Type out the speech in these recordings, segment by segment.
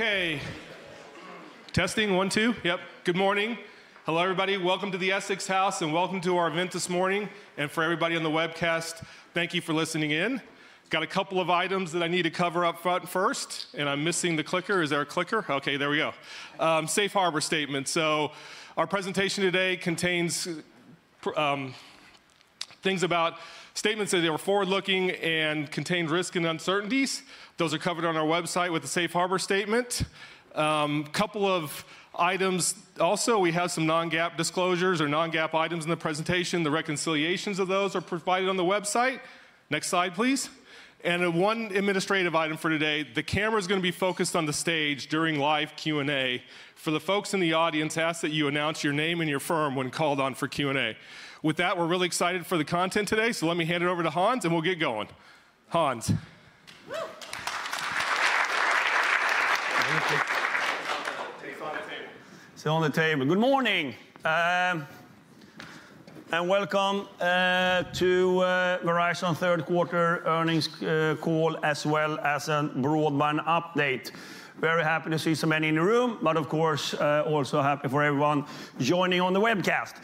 Okay, testing one, two. Yep. Good morning. Hello, everybody. Welcome to the Essex House, and welcome to our event this morning, and for everybody on the webcast, thank you for listening in. Got a couple of items that I need to cover up front first, and I'm missing the clicker. Is there a clicker? Okay, there we go. Safe harbor statement. So our presentation today contains forward-looking statements that involve risk and uncertainties. Those are covered on our website with the safe harbor statement. Couple of items. Also, we have some non-GAAP disclosures or non-GAAP items in the presentation. The reconciliations of those are provided on the website. Next slide, please. One administrative item for today, the camera's gonna be focused on the stage during live Q&A. For the folks in the audience, I ask that you announce your name and your firm when called on for Q&A. With that, we're really excited for the content today, so let me hand it over to Hans, and we'll get going. Hans. Thank you. It’s on the table. Good morning, and welcome to the Verizon third quarter earnings call, as well as a broadband update. Very happy to see so many in the room, but of course also happy for everyone joining on the webcast.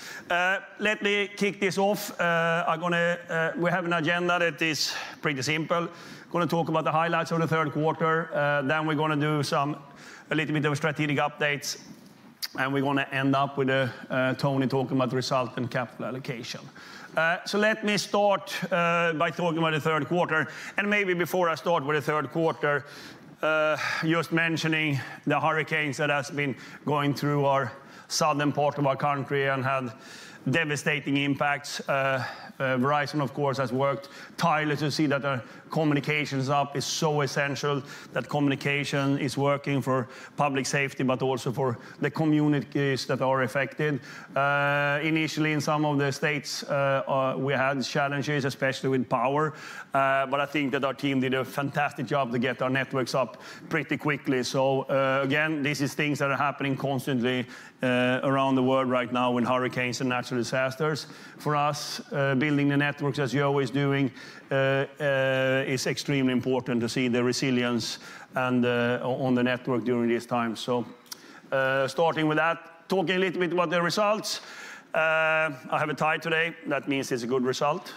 Verizon, of course, has worked tirelessly to ensure that our communications infrastructure is essential, that communication is working for public safety, but also for the communities that are affected. Initially, in some of the states, we had challenges, especially with power, but I think that our team did a fantastic job getting our networks up pretty quickly. So again, these are things that are happening constantly around the world right now with hurricanes and natural disasters. For us, building the networks, as we’re always doing, is extremely important, and seeing the resilience of the network during this time is critical. So starting with that, talking a little bit about the results. I have a tie today; that means it’s a good result.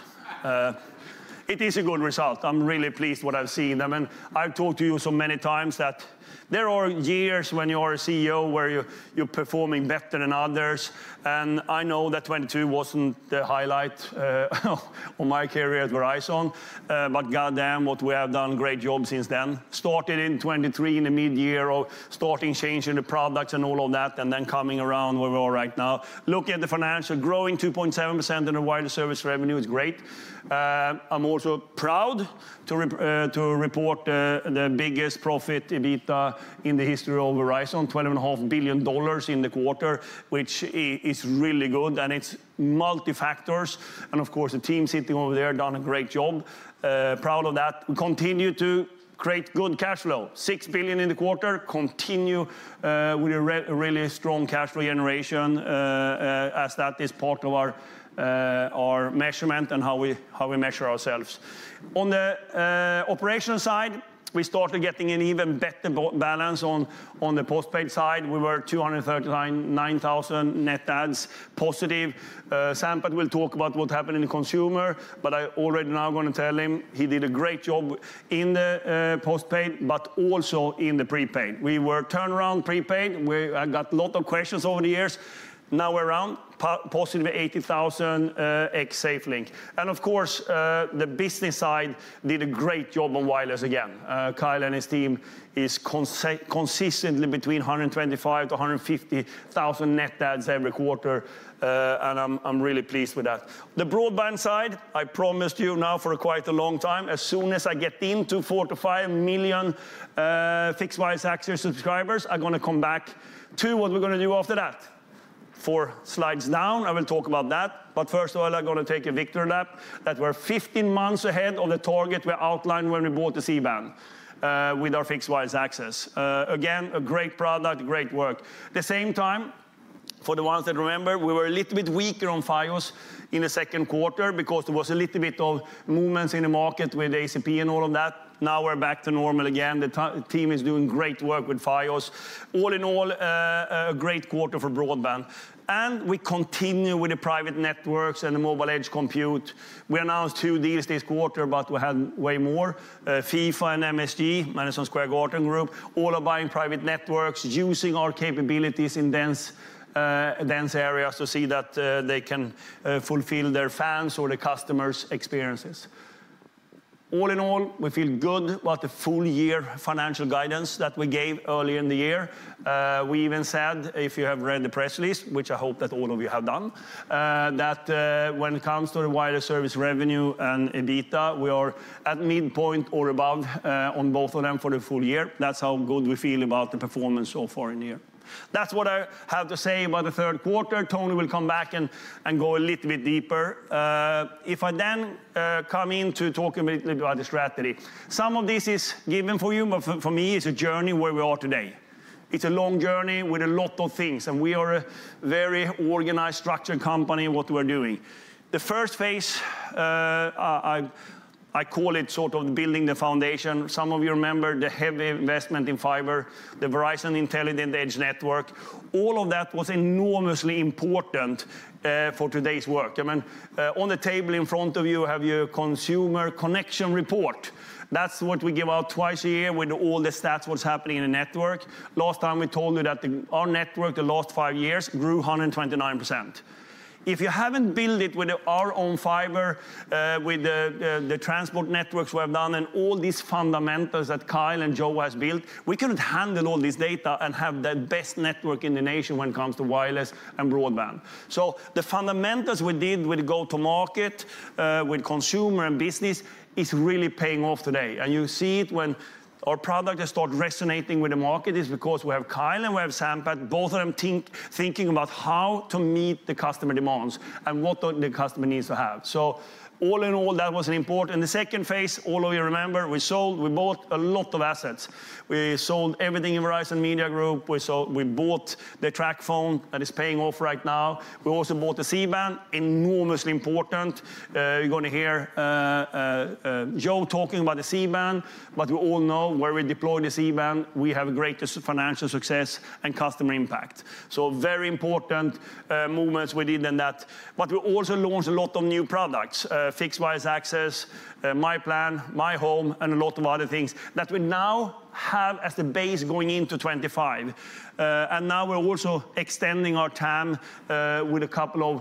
It is a good result. I’m really pleased with what I’ve seen. I mean, I’ve talked to you so many times that there are years when you are a CEO where you’re performing better than others, and I know that 2022 wasn’t the highlight of my career at Verizon. But goddamn, what we have done is a great job since then. Starting in 2023, in the mid-year, of changing the products and all of that, and then coming around to where we are right now. Looking at the financials, growing 2.7% in the wireless service revenue is great. I’m also proud to report the biggest profit, EBITDA, in the history of Verizon, $20.5 billion in the quarter, which is really good, and it’s multifactorial. And of course, the team sitting over there has done a great job. Proud of that. We continue to create good cash flow, $6 billion in the quarter. We continue with really strong cash flow generation, as that is part of our measurement and how we measure ourselves. On the operational side, we started getting an even better balance on the postpaid side. We were 239,000 net adds, positive. Sampath will talk about what happened in consumer, but I already know I’m going to tell him he did a great job in postpaid, but also in prepaid. We turned around prepaid. I got a lot of questions over the years. Now we’re around positive 80,000, ex-SafeLink. And of course, the business side did a great job on wireless again. Kyle and his team are consistently between 125 and 150 thousand net adds every quarter, and I’m really pleased with that. On the broadband side, I promised you for quite a long time that as soon as I get into 4 million–5 million Fixed Wireless Access subscribers, I’m going to come back to what we’re going to do after that. Four slides down, I will talk about that. But first of all, I’m going to take a victory lap that we’re 15 months ahead of the target we outlined when we bought the C-Band with our Fixed Wireless Access. Again, a great product, great work. Now we’re back to normal again. The team is doing great work with Fios. All in all, a great quarter for broadband. And we continue with the private networks and the Mobile Edge Compute. We announced two deals this quarter, but we had way more. FIFA and MSG, Madison Square Garden Group, are buying private networks, using our capabilities in dense areas to ensure that they can fulfill their fans’ or the customers’ experiences. All in all, we feel good about the full-year financial guidance that we gave earlier in the year. We even said, if you have read the press release, which I hope that all of you have done, that when it comes to the wireless service revenue and EBITDA, we are at the midpoint or above on both of them for the full year. That’s how good we feel about the performance so far in here. That’s what I have to say about the third quarter. Tony will come back and go a little bit deeper. If I then come in to talk a little bit about the strategy, some of this is given for you, but for me, it’s a journey of where we are today. It’s a long journey with a lot of things, and we are a very organized, structured company in what we’re doing. The first phase, I call it sort of building the foundation. Some of you remember the heavy investment in fiber, the Verizon Intelligent Edge Network. All of that was enormously important for today’s work. I mean, on the table in front of you, you have your Consumer Connections Report. That’s what we give out twice a year with all the stats, what’s happening in the network. Last time, we told you that our network, over the last five years, grew 129%. If you haven’t built it with our own fiber, with the transport networks we have done and all these fundamentals that Kyle and Joe have built, we couldn’t handle all this data and have the best network in the nation when it comes to wireless and broadband. So the fundamentals we did with go-to-market, with consumer and business, are really paying off today, and you see it when our product has started resonating with the market. It’s because we have Kyle and we have Sampath, both of them thinking about how to meet customer demands and what the customer needs to have. All in all, that was important. In the second phase, all of you remember, we sold. We bought a lot of assets. We sold everything in Verizon Media Group. We bought TracFone, which is paying off right now. We also bought the C-Band, enormously important. You’re going to hear Joe talking about the C-Band, but we all know where we deploy the C-Band, we have the greatest financial success and customer impact. So very important movements we did in that. But we also launched a lot of new products: Fixed Wireless Access, myPlan, myHome, and a lot of other things that we now have as the base going into 2025. And now we’re also extending our TAM with a couple of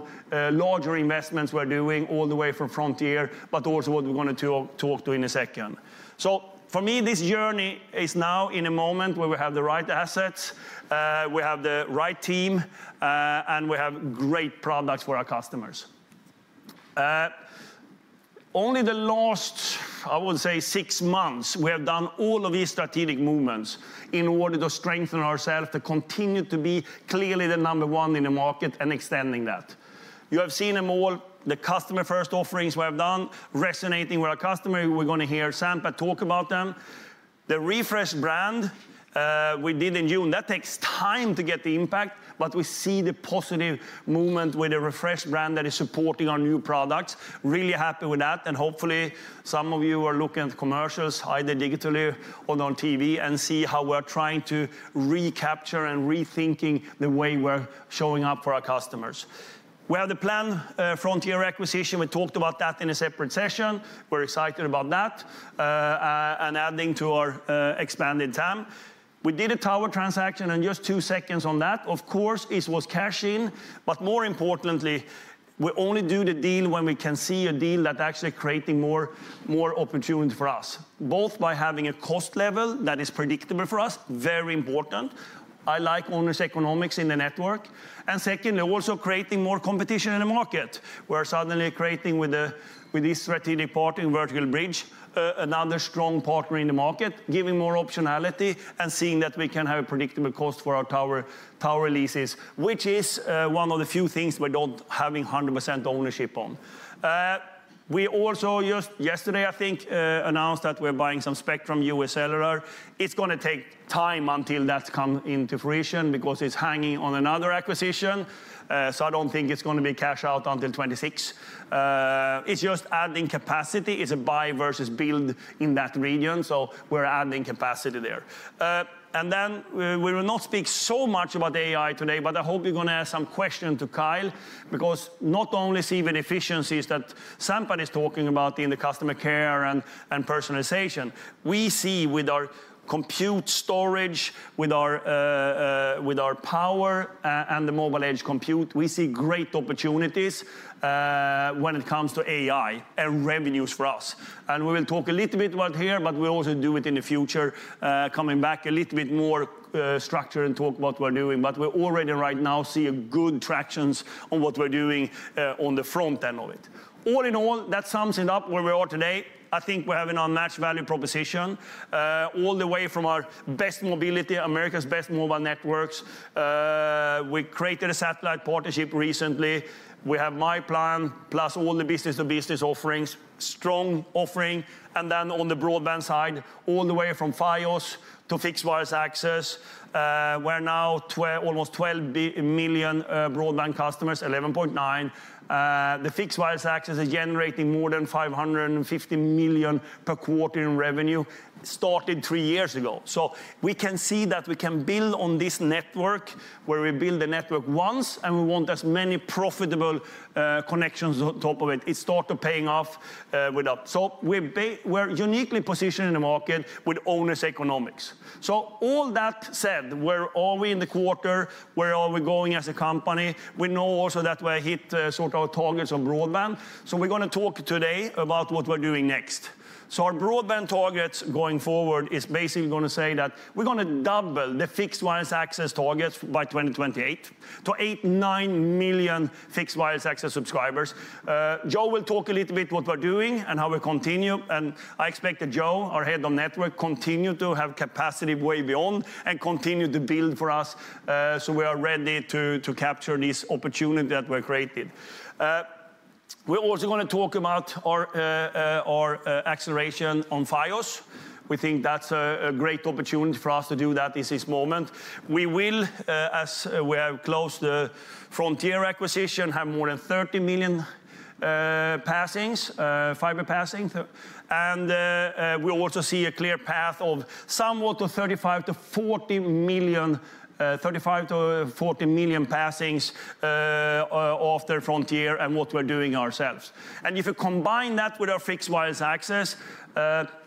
larger investments we’re doing, all the way from Frontier, but also what we want to talk about in a second. The refreshed brand we did in June, that takes time to get the impact, but we see the positive movement with a refreshed brand that is supporting our new products. Really happy with that, and hopefully, some of you are looking at the commercials, either digitally or on TV, and see how we’re trying to recapture and rethink the way we’re showing up for our customers. We have the plan, the Frontier acquisition. We talked about that in a separate session. We’re excited about that and adding to our expanded TAM. We did a tower transaction, and just two seconds on that: of course, it was cash in, but more importantly, we only do the deal when we can see a deal that actually creates more opportunity for us, both by having a cost level that is predictable for us. Very important. I like owner's economics in the network, and second, also creating more competition in the market. We're suddenly creating with this strategic partner in Vertical Bridge, another strong partner in the market, giving more optionality and seeing that we can have a predictable cost for our tower, tower leases, which is, one of the few things we don't having 100% ownership on. We also, just yesterday, I think, announced that we're buying some spectrum from USCellular. It's gonna take time until that come into fruition because it's hanging on another acquisition, so I don't think it's gonna be cash out until 2026. It's just adding capacity. It's a buy versus build in that region, so we're adding capacity there. And then we will not speak so much about AI today, but I hope you're gonna ask some question to Kyle, because not only see the efficiencies that Sampath is talking about in the customer care and personalization, we see with our compute storage, with our power, and the Mobile Edge Compute, we see great opportunities when it comes to AI and revenues for us. We will talk a little bit about here, but we'll also do it in the future, coming back a little bit more structure and talk what we're doing. But we're already right now seeing good tractions on what we're doing on the front end of it. All in all, that sums it up where we are today. I think we're having unmatched value proposition, all the way from our best mobility, America's best mobile networks. We created a satellite partnership recently. We have myPlan, plus all the business-to-business offerings, strong offering. And then on the broadband side, all the way from Fios to fixed-wireless access, we're now almost 12 million broadband customers, 11.9. The fixed-wireless access is generating more than $550 million per quarter in revenue, started three years ago. So we can see that we can build on this network, where we build the network once, and we want as many profitable connections on top of it. It started paying off with that. So we're uniquely positioned in the market with owner's economics. So all that said, where are we in the quarter? Where are we going as a company? We know also that we hit sort of targets on broadband, so we're gonna talk today about what we're doing next. So our broadband targets going forward is basically gonna say that we're gonna double the fixed-wireless access targets by 2028 to eight to nine million fixed-wireless access subscribers. Joe will talk a little bit what we're doing and how we continue, and I expect that Joe, our head of network, continue to have capacity way beyond and continue to build for us, so we are ready to capture this opportunity that were created. We're also gonna talk about our acceleration on Fios. We think that's a great opportunity for us to do that is this moment. We will, as we have closed the Frontier acquisition, have more than 30 million passings, fiber passings. And we also see a clear path somewhat to 35-40 million passings after Frontier and what we're doing ourselves. And if you combine Fixed Wireless Access,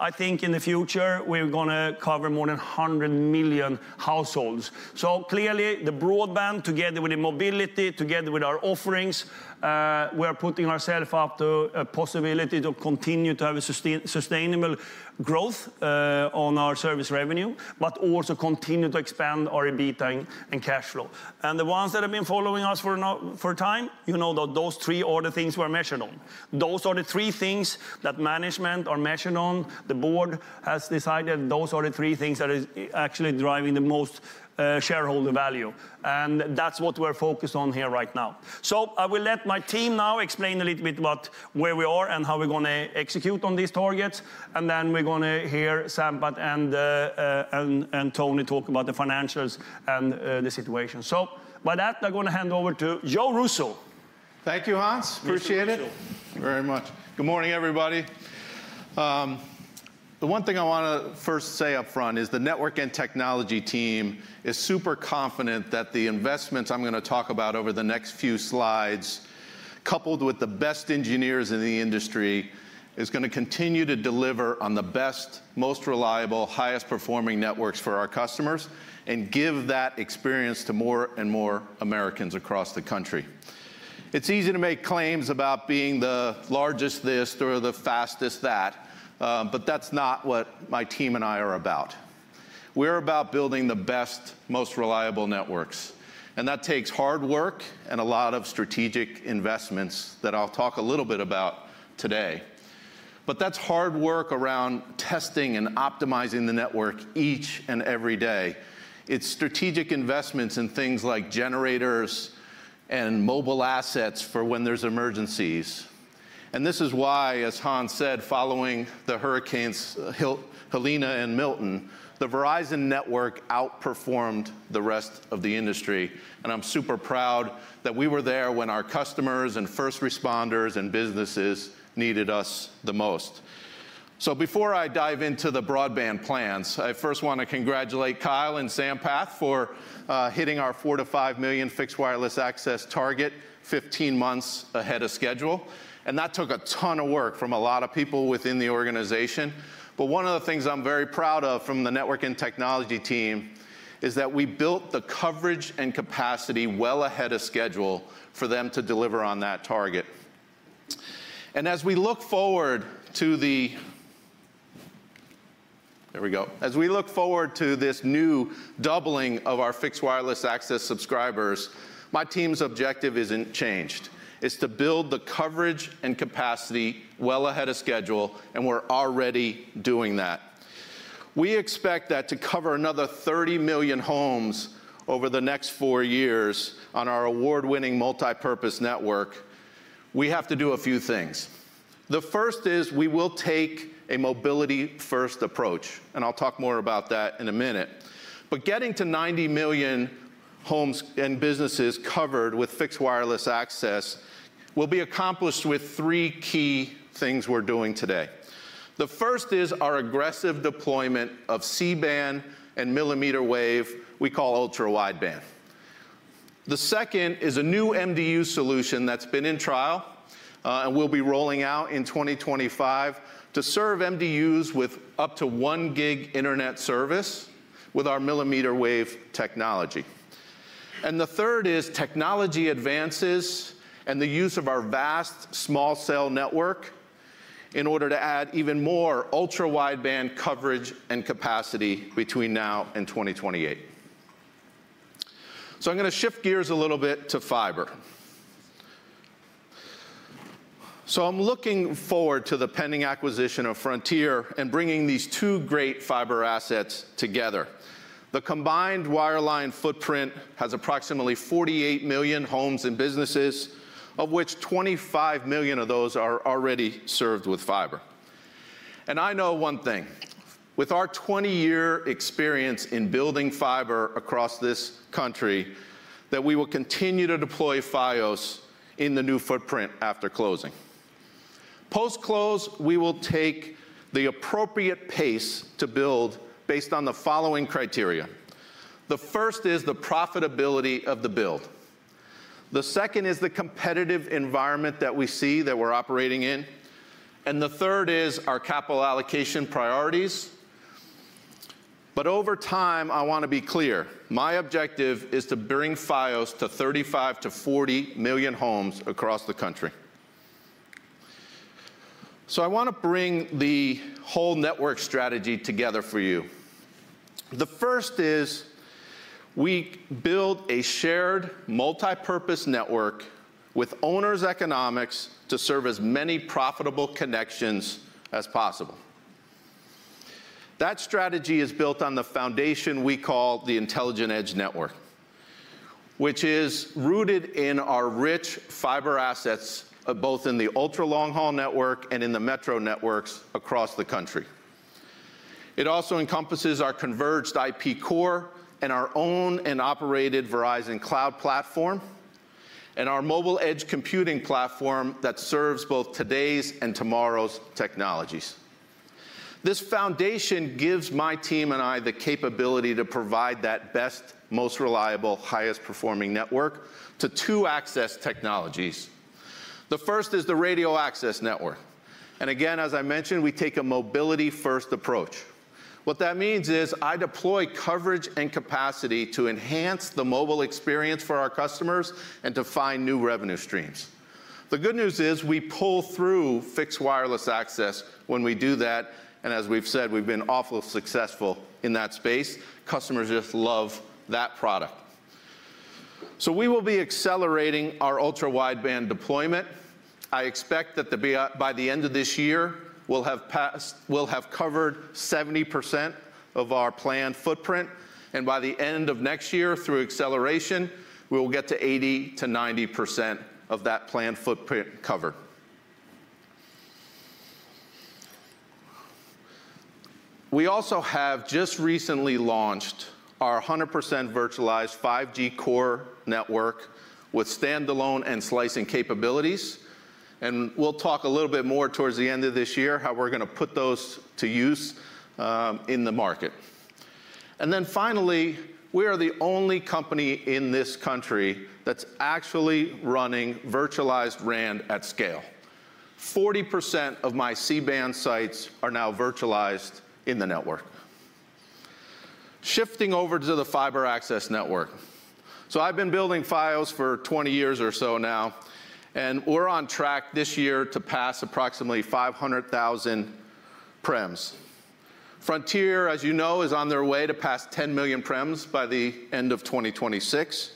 i think in the future, we're gonna cover more than 100 million households. So clearly, the broadband, together with the mobility, together with our offerings, we're putting ourselves up to a possibility to continue to have a sustainable growth on our service revenue, but also continue to expand our EBITDA and cash flow. And the ones that have been following us for some time, you know that those three are the things we're measured on. Those are the three things that management are measured on. The board has decided those are the three things that is actually driving the most, shareholder value, and that's what we're focused on here right now. So I will let my team now explain a little bit about where we are and how we're gonna execute on these targets, and then we're gonna hear Sampath and Tony talk about the financials and the situation. So with that, I'm gonna hand over to Joe Russo. Thank you, Hans. Thank you, Joe. Appreciate it very much. Good morning, everybody. The one thing I wanna first say up front is the network and technology team is super confident that the investments I'm gonna talk about over the next few slides, coupled with the best engineers in the industry, is gonna continue to deliver on the best, most reliable, highest-performing networks for our customers and give that experience to more and more Americans across the country. It's easy to make claims about being the largest this or the fastest that, but that's not what my team and I are about. We're about building the best, most reliable networks, and that takes hard work and a lot of strategic investments that I'll talk a little bit about today. But that's hard work around testing and optimizing the network each and every day. It's strategic investments in things like generators and mobile assets for when there's emergencies, and this is why, as Hans said, following the hurricanes Helene and Milton, the Verizon network outperformed the rest of the industry, and I'm super proud that we were there when our customers, and first responders, and businesses needed us the most, so before I dive into the broadband plans, I first want to congratulate Kyle and Sampath for hitting Fixed Wireless Access target 15 months ahead of schedule, and that took a ton of work from a lot of people within the organization, but one of the things I'm very proud of from the network and technology team is that we built the coverage and capacity well ahead of schedule for them to deliver on that target, and as we look forward to the... There we go. As we look forward to this new Fixed Wireless Access subscribers, my team's objective isn't changed. It's to build the coverage and capacity well ahead of schedule, and we're already doing that. We expect that to cover another 30 million homes over the next four years on our award-winning multipurpose network. We have to do a few things. The first is we will take a mobility-first approach, and I'll talk more about that in a minute. But getting to ninety million homes and Fixed Wireless Access will be accomplished with three key things we're doing today. The first is our aggressive deployment of C-Band and Millimeter Wave we call Ultra Wideband. The second is a new MDU solution that's been in trial, and we'll be rolling out in 2025 to serve MDUs with up to one gig internet service with our Millimeter Wave technology And the third is technology advances and the use of our vast small cell network in order to add even more Ultra Wideband coverage and capacity between now and 2028. So I'm gonna shift gears a little bit to fiber. So I'm looking forward to the pending acquisition of Frontier and bringing these two great fiber assets together. The combined wireline footprint has approximately 48 million homes and businesses, of which 25 million of those are already served with fiber. And I know one thing: with our 20-year experience in building fiber across this country, that we will continue to deploy Fios in the new footprint after closing. Post-close, we will take the appropriate pace to build based on the following criteria. The first is the profitability of the build, the second is the competitive environment that we see that we're operating in, and the third is our capital allocation priorities. But over time, I want to be clear, my objective is to bring Fios to 35 million-40 million homes across the country. So I want to bring the whole network strategy together for you. The first is we build a shared multipurpose network with owners' economics to serve as many profitable connections as possible.... That strategy is built on the foundation we call the Intelligent Edge Network, which is rooted in our rich fiber assets, both in the ultra-long-haul network and in the metro networks across the country. It also encompasses our converged IP core and our owned and operated Verizon Cloud platform, and our Mobile Edge Computing platform that serves both today's and tomorrow's technologies. This foundation gives my team and I the capability to provide that best, most reliable, highest-performing network to two access technologies. The first is the radio access network, and again, as I mentioned, we take a mobility-first approach. What that means is I deploy coverage and capacity to enhance the mobile experience for our customers and to find new revenue streams. The good news is, Fixed Wireless Access when we do that, and as we've said, we've been awfully successful in that space. Customers just love that product. So we will be accelerating our Ultra Wideband deployment. I expect that by the end of this year, we'll have covered 70% of our planned footprint, and by the end of next year, through acceleration, we will get to 80%-90% of that planned footprint covered. We also have just recently launched our 100% virtualized 5G core network with standalone and slicing capabilities, and we'll talk a little bit more towards the end of this year, how we're gonna put those to use in the market. And then finally, we are the only company in this country that's actually running virtualized RAN at scale. 40% of my C-Band sites are now virtualized in the network. Shifting over to the fiber access network. I've been building Fios for 20 years or so now, and we're on track this year to pass approximately 500,000 premises. Frontier, as you know, is on their way to pass 10 million premises by the end of 2026,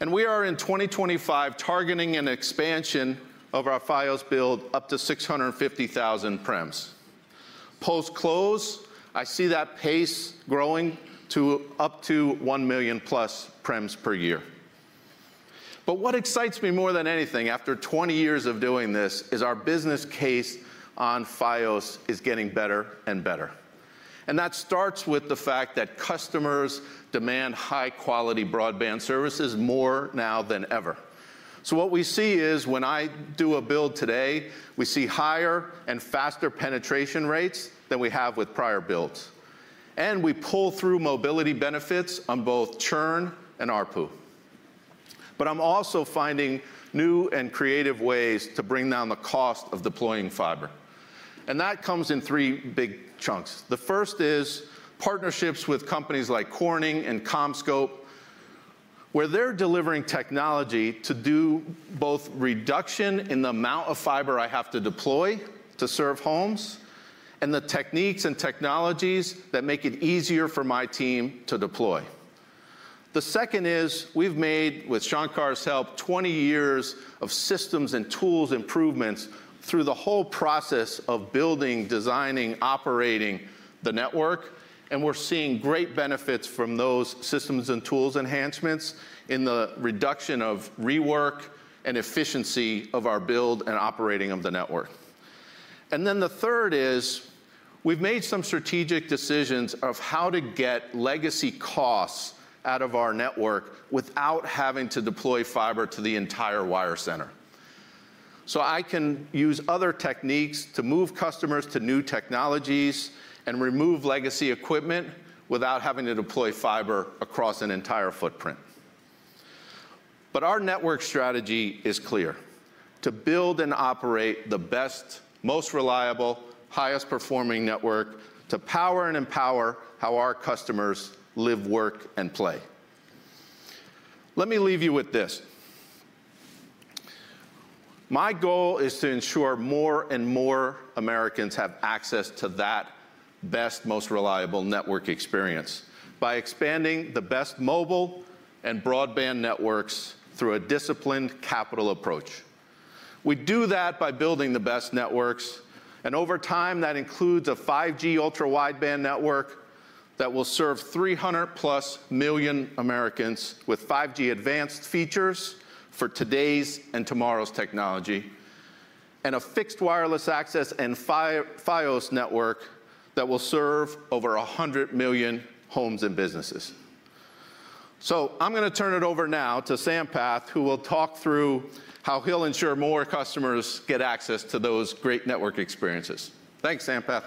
and we are in 2025 targeting an expansion of our Fios build up to six hundred and fifty thousand premises. Post-close, I see that pace growing to up to 1 million+ premises per year. But what excites me more than anything after 20 years of doing this, is our business case on Fios is getting better and better, and that starts with the fact that customers demand high-quality broadband services more now than ever. So what we see is, when I do a build today, we see higher and faster penetration rates than we have with prior builds, and we pull through mobility benefits on both churn and ARPU. But I'm also finding new and creative ways to bring down the cost of deploying fiber, and that comes in three big chunks. The first is partnerships with companies like Corning and CommScope, where they're delivering technology to do both reduction in the amount of fiber I have to deploy to serve homes, and the techniques and technologies that make it easier for my team to deploy. The second is, we've made, with Shankar's help, 20 years of systems and tools improvements through the whole process of building, designing, operating the network, and we're seeing great benefits from those systems and tools enhancements in the reduction of rework and efficiency of our build and operating of the network. And then the third is, we've made some strategic decisions of how to get legacy costs out of our network without having to deploy fiber to the entire wire center. So I can use other techniques to move customers to new technologies and remove legacy equipment without having to deploy fiber across an entire footprint. Our network strategy is clear: to build and operate the best, most reliable, highest-performing network to power and empower how our customers live, work, and play. Let me leave you with this. My goal is to ensure more and more Americans have access to that best, most reliable network experience by expanding the best mobile and broadband networks through a disciplined capital approach. We do that by building the best networks, and over time, that includes a 5G Ultra Wideband network that will serve 300+ million Americans with 5G advanced features for today's and tomorrow's Fixed Wireless Access and Fios network that will serve over 100 million homes and businesses. I'm gonna turn it over now to Sampath, who will talk through how he'll ensure more customers get access to those great network experiences. Thanks, Sampath.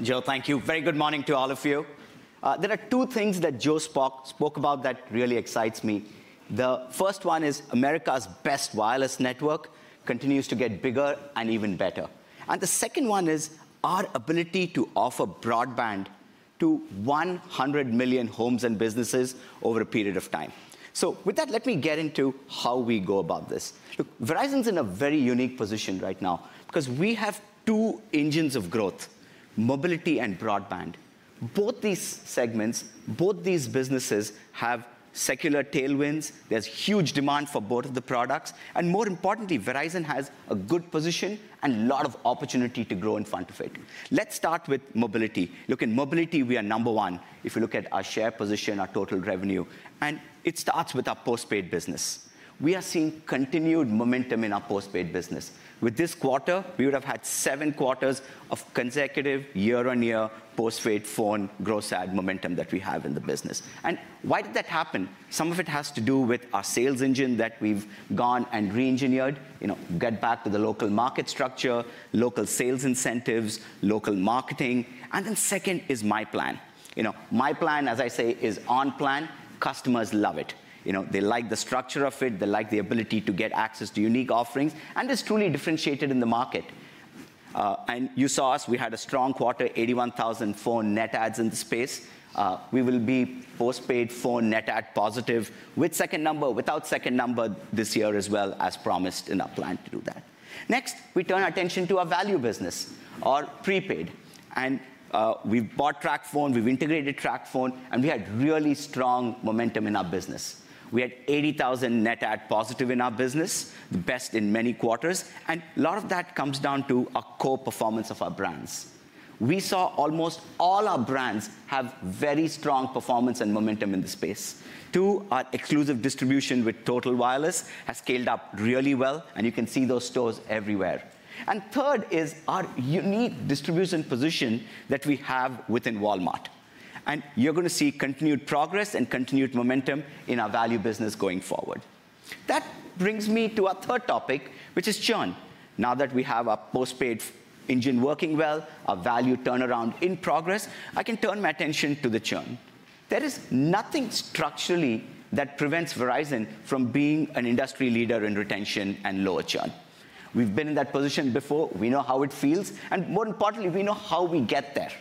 Joe, thank you. Very good morning to all of you. There are two things that Joe spoke about that really excites me. The first one is America's best wireless network continues to get bigger and even better, and the second one is our ability to offer broadband to one hundred million homes and businesses over a period of time. So with that, let me get into how we go about this. Look, Verizon's in a very unique position right now, because we have two engines of growth: mobility and broadband. Both these segments, both these businesses have secular tailwinds. There's huge demand for both of the products, and more importantly, Verizon has a good position and a lot of opportunity to grow in front of it. Let's start with mobility. Look, in mobility, we are number one, if you look at our share position, our total revenue, and it starts with our postpaid business. We are seeing continued momentum in our postpaid business. With this quarter, we would have had seven quarters of consecutive year-on-year postpaid phone gross add momentum that we have in the business. And why did that happen? Some of it has to do with our sales engine that we've gone and re-engineered, you know, got back to the local market structure, local sales incentives, local marketing, and then second is myPlan. You know, myPlan, as I say, is on plan. Customers love it. You know, they like the structure of it, they like the ability to get access to unique offerings, and it's truly differentiated in the market. And you saw us, we had a strong quarter, 81,000 phone net adds in the space. We will be postpaid phone net add positive with second number, without second number this year as well, as promised in our plan to do that. Next, we turn our attention to our value business, our prepaid, and we've bought TracFone, we've integrated TracFone, and we had really strong momentum in our business. We had 80,000 net add positive in our business, the best in many quarters, and a lot of that comes down to a core performance of our brands. We saw almost all our brands have very strong performance and momentum in the space. Two are exclusive distribution with Total Wireless, has scaled up really well, and you can see those stores everywhere. And third is our unique distribution position that we have within Walmart, and you're gonna see continued progress and continued momentum in our value business going forward. That brings me to our third topic, which is churn. Now that we have our postpaid engine working well, our value turnaround in progress, I can turn my attention to the churn. There is nothing structurally that prevents Verizon from being an industry leader in retention and lower churn. We've been in that position before. We know how it feels, and more importantly, we know how we get there.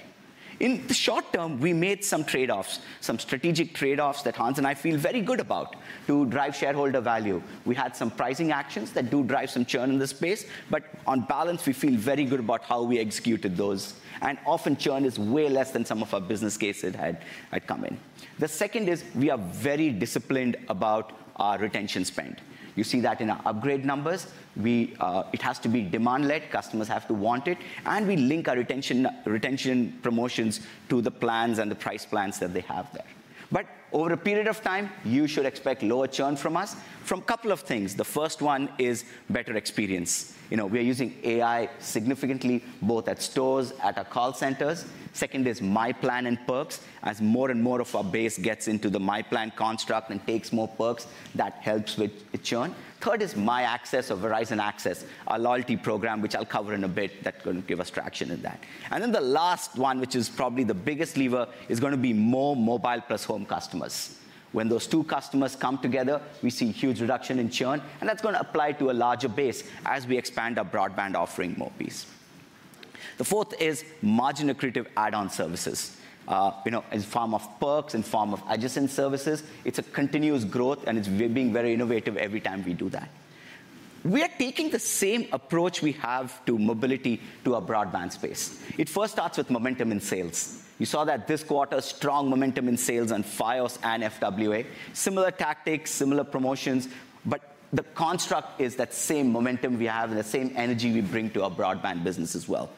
In the short term, we made some trade-offs, some strategic trade-offs that Hans and I feel very good about to drive shareholder value. We had some pricing actions that do drive some churn in the space, but on balance, we feel very good about how we executed those, and often, churn is way less than some of our business cases had come in. The second is we are very disciplined about our retention spend. You see that in our upgrade numbers. It has to be demand-led, customers have to want it, and we link our retention, retention promotions to the plans and the price plans that they have there. But over a period of time, you should expect lower churn from us from couple of things. The first one is better experience. You know, we are using AI significantly, both at stores, at our call centers. Second is myPlan and perks. As more and more of our base gets into the myPlan construct and takes more perks, that helps with the churn. Third is My Access or Verizon Access, our loyalty program, which I'll cover in a bit, that's gonna give us traction in that. And then the last one, which is probably the biggest lever, is gonna be more Mobile + Home customers. When those two customers come together, we see huge reduction in churn, and that's gonna apply to a larger base as we expand our broadband offering more broadly. The fourth is margin-accretive add-on services. You know, in form of perks, in form of adjacent services, it's a continuous growth, and it's being very innovative every time we do that. We are taking the same approach we have with mobility to our broadband space. It first starts with momentum in sales. You saw that this quarter, strong momentum in sales on Fios and FWA. Similar tactics, similar promotions, but the construct is that same momentum we have and the same energy we bring to our broadband business as well.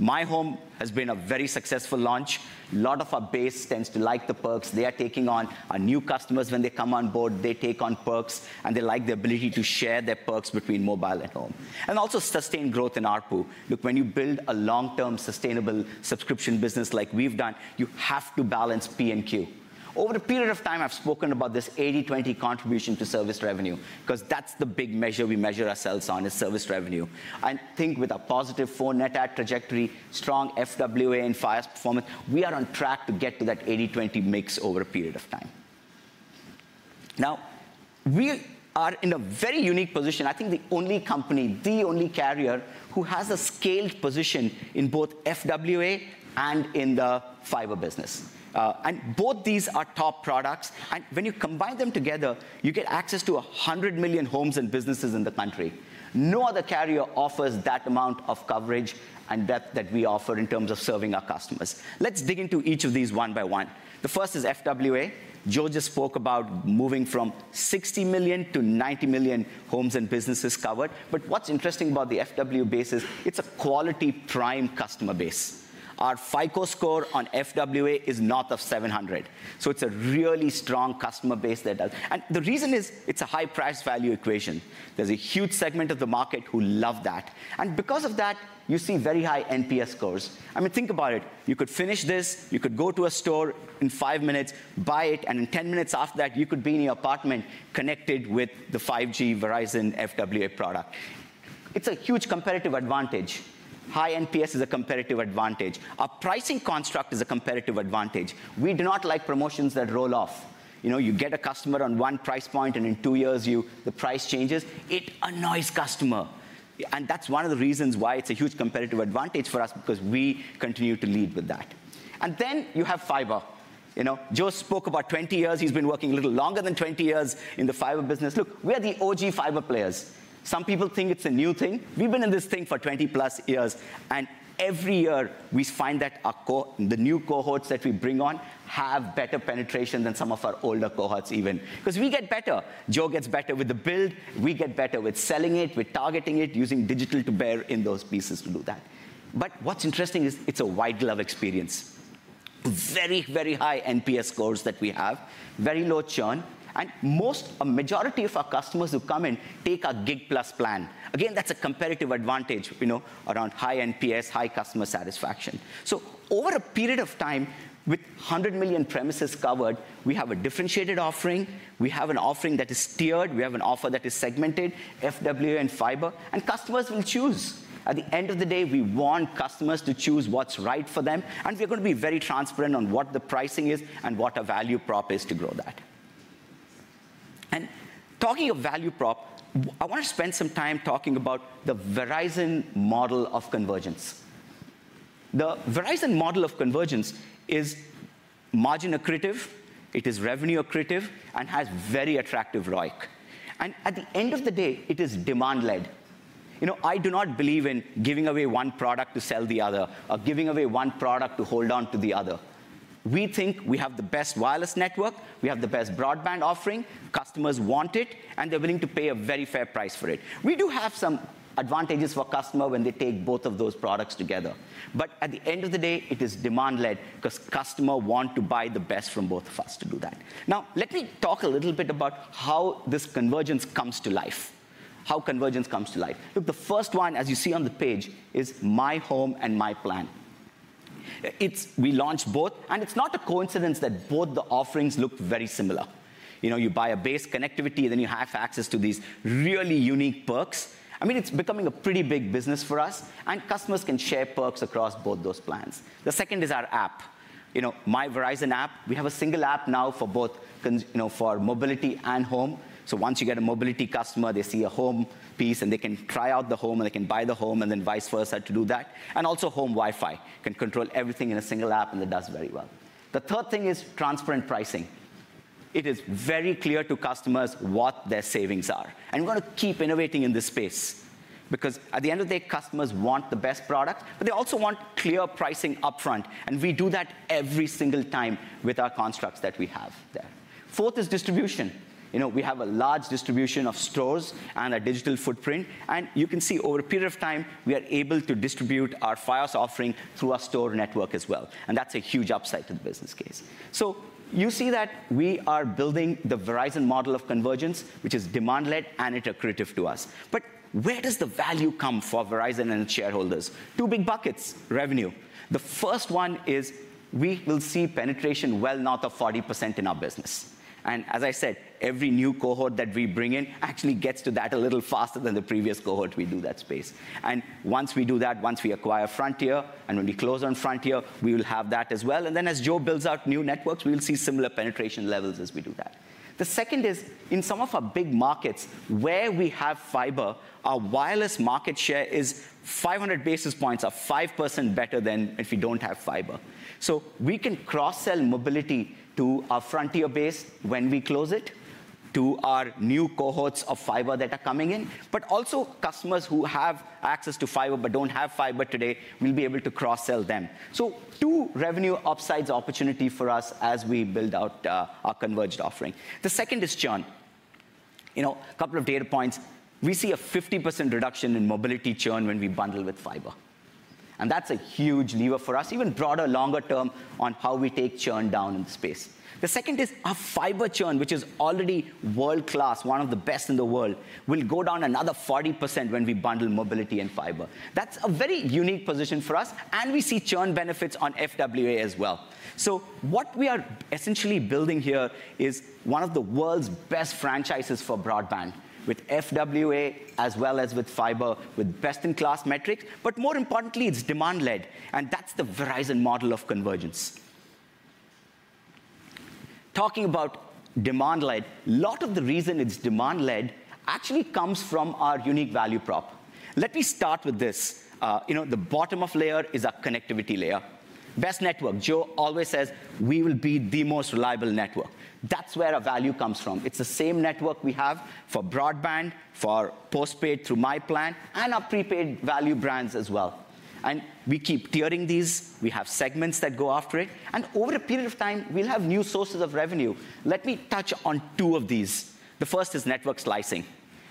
myHome has been a very successful launch. A lot of our base tends to like the perks. They are taking on our new customers. When they come on board, they take on perks, and they like the ability to share their perks between mobile and home. And also sustained growth in ARPU. Look, when you build a long-term, sustainable subscription business like we've done, you have to balance P/Q. Over a period of time, I've spoken about this 80-20 contribution to service revenue, 'cause that's the big measure we measure ourselves on, is service revenue. I think with a positive phone net add trajectory, strong FWA, and Fios performance, we are on track to get to that 80-20 mix over a period of time. Now, we are in a very unique position, I think the only company, the only carrier, who has a scaled position in both FWA and in the fiber business. And both these are top products, and when you combine them together, you get access to 100 million homes and businesses in the country. No other carrier offers that amount of coverage and depth that we offer in terms of serving our customers. Let's dig into each of these one by one. The first is FWA. Joe just spoke about moving from 60 million to 90 million homes and businesses covered, but what's interesting about the FWA base is it's a quality prime customer base. Our FIos score on FWA is north of 700, so it's a really strong customer base there. And the reason is, it's a high price-value equation. There's a huge segment of the market who love that, and because of that, you see very high NPS scores. I mean, think about it. You could finish this, you could go to a store in five minutes, buy it, and in ten minutes after that, you could be in your apartment connected with the 5G Verizon FWA product. It's a huge competitive advantage. High NPS is a competitive advantage. Our pricing construct is a competitive advantage. We do not like promotions that roll off. You know, you get a customer on one price point, and in two years, you, the price changes. It annoys customer, and that's one of the reasons why it's a huge competitive advantage for us, because we continue to lead with that... and then you have fiber. You know, Joe spoke about 20 years. He's been working a little longer than 20 years in the fiber business. Look, we're the OG fiber players. Some people think it's a new thing. We've been in this thing for 20+ years, and every year we find that the new cohorts that we bring on have better penetration than some of our older cohorts even, 'cause we get better. Joe gets better with the build, we get better with selling it, with targeting it, using digital to bring those pieces to bear to do that. But what's interesting is it's a world-class experience. Very, very high NPS scores that we have, very low churn, and most, a majority of our customers who come in take our Gig+ plan. Again, that's a competitive advantage, you know, around high NPS, high customer satisfaction. So over a period of time, with 100 million premises covered, we have a differentiated offering. We have an offering that is tiered, we have an offer that is segmented, FWA and fiber, and customers will choose. At the end of the day, we want customers to choose what's right for them, and we're gonna be very transparent on what the pricing is and what a value prop is to grow that. And talking of value prop, I wanna spend some time talking about the Verizon model of convergence. The Verizon model of convergence is margin accretive, it is revenue accretive, and has very exactive ROIC. And at the end of the day, it is demand-led. You know, I do not believe in giving away one product to sell the other, or giving away one product to hold on to the other. We think we have the best wireless network, we have the best broadband offering, customers want it, and they're willing to pay a very fair price for it. We do have some advantages for customer when they take both of those products together, but at the end of the day, it is demand-led, 'cause customer want to buy the best from both of us to do that. Now, let me talk a little bit about how this convergence comes to life, how convergence comes to life. Look, the first one, as you see on the page, is myHome and myPlan. It's. We launched both, and it's not a coincidence that both the offerings look very similar. You know, you buy a base connectivity, then you have access to these really unique perks. I mean, it's becoming a pretty big business for us, and customers can share perks across both those plans. The second is our app. You know, My Verizon app, we have a single app now for both, you know, for mobility and home. So once you get a mobility customer, they see a home piece, and they can try out the home, and they can buy the home, and then vice versa to do that. And also, home Wi-Fi can control everything in a single app, and it does very well. The third thing is transparent pricing. It is very clear to customers what their savings are, and we're gonna keep innovating in this space. Because at the end of the day, customers want the best product, but they also want clear pricing upfront, and we do that every single time with our constructs that we have there. Fourth is distribution. You know, we have a large distribution of stores and a digital footprint, and you can see over a period of time, we are able to distribute our Fios offering through our store network as well, and that's a huge upside to the business case. So you see that we are building the Verizon model of convergence, which is demand-led, and it's accretive to us. But where does the value come for Verizon and shareholders? Two big buckets: revenue. The first one is we will see penetration well north of 40% in our business, and as I said, every new cohort that we bring in actually gets to that a little faster than the previous cohort we do that space. And once we do that, once we acquire Frontier, and when we close on Frontier, we will have that as well. And then as Joe builds out new networks, we will see similar penetration levels as we do that. The second is, in some of our big markets where we have fiber, our wireless market share is 500 basis points, or 5%, better than if we don't have fiber. So we can cross-sell mobility to our Frontier base when we close it, to our new cohorts of fiber that are coming in, but also customers who have access to fiber but don't have fiber today, we'll be able to cross-sell them. So two revenue upsides opportunity for us as we build out, our converged offering. The second is churn. You know, a couple of data points. We see a 50% reduction in mobility churn when we bundle with fiber, and that's a huge lever for us, even broader, longer term on how we take churn down in the space. The second is our fiber churn, which is already world-class, one of the best in the world, will go down another 40% when we bundle mobility and fiber. That's a very unique position for us, and we see churn benefits on FWA as well. So what we are essentially building here is one of the world's best franchises for broadband, with FWA as well as with fiber, with best-in-class metrics, but more importantly, it's demand-led, and that's the Verizon model of convergence. Talking about demand-led, lot of the reason it's demand-led actually comes from our unique value prop. Let me start with this. You know, the bottom of layer is our connectivity layer. Best network, Joe always says, "We will be the most reliable network." That's where our value comes from. It's the same network we have for broadband, for postpaid through myPlan, and our prepaid value brands as well. We keep tiering these. We have segments that go after it, and over a period of time, we'll have new sources of revenue. Let me touch on two of these. The first is Network Slicing.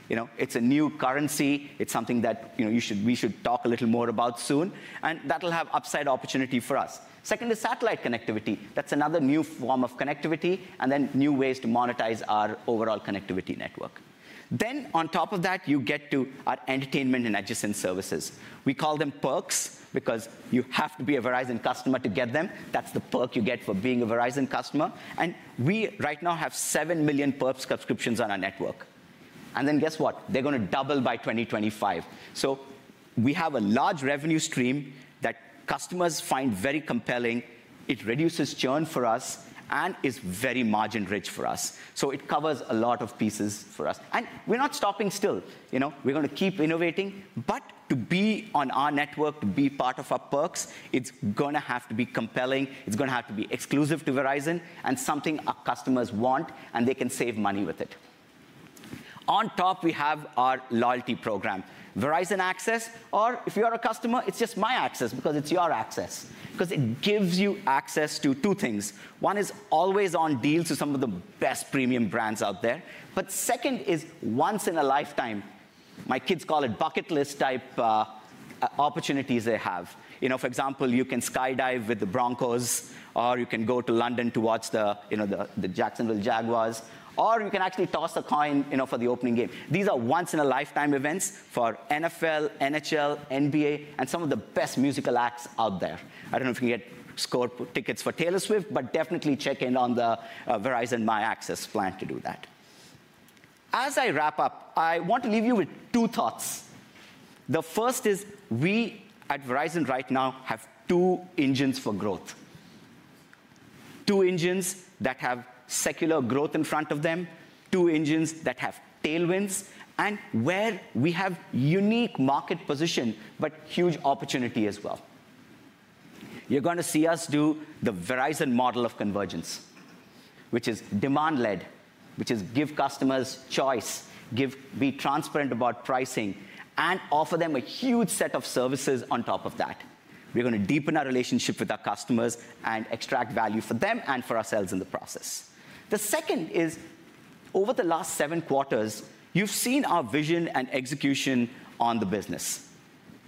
You know, it's a new currency. It's something that, you know, we should talk a little more about soon, and that'll have upside opportunity for us. Second is satellite connectivity. That's another new form of connectivity, and then new ways to monetize our overall connectivity network. On top of that, you get to our entertainment and adjacent services. We call them perks because you have to be a Verizon customer to get them. That's the perk you get for being a Verizon customer, and we right now have seven million perks subscriptions on our network. And then guess what? They're gonna double by 2025. So we have a large revenue stream that customers find very compelling, it reduces churn for us, and is very margin-rich for us. So it covers a lot of pieces for us. And we're not stopping still, you know, we're gonna keep innovating. But to be on our network, to be part of our perks, it's gonna have to be compelling, it's gonna have to be exclusive to Verizon, and something our customers want, and they can save money with it. On top, we have our loyalty program, Verizon Access, or if you are a customer, it's just My Access, because it's your access, because it gives you access to two things. One is always-on deals to some of the best premium brands out there. But second is once-in-a-lifetime, my kids call it bucket list-type, opportunities they have. You know, for example, you can skydive with the Broncos, or you can go to London to watch the, you know, the Jacksonville Jaguars, or you can actually toss a coin, you know, for the opening game. These are once-in-a-lifetime events for NFL, NHL, NBA, and some of the best musical acts out there. I don't know if you can score tickets for Taylor Swift, but definitely check in on the Verizon My Access plan to do that. As I wrap up, I want to leave you with two thoughts. The first is, we at Verizon right now have two engines for growth. Two engines that have secular growth in front of them, two engines that have tailwinds, and where we have unique market position, but huge opportunity as well. You're gonna see us do the Verizon model of convergence, which is demand-led, which is give customers choice, be transparent about pricing, and offer them a huge set of services on top of that. We're gonna deepen our relationship with our customers and extract value for them and for ourselves in the process. The second is, over the last seven quarters, you've seen our vision and execution on the business.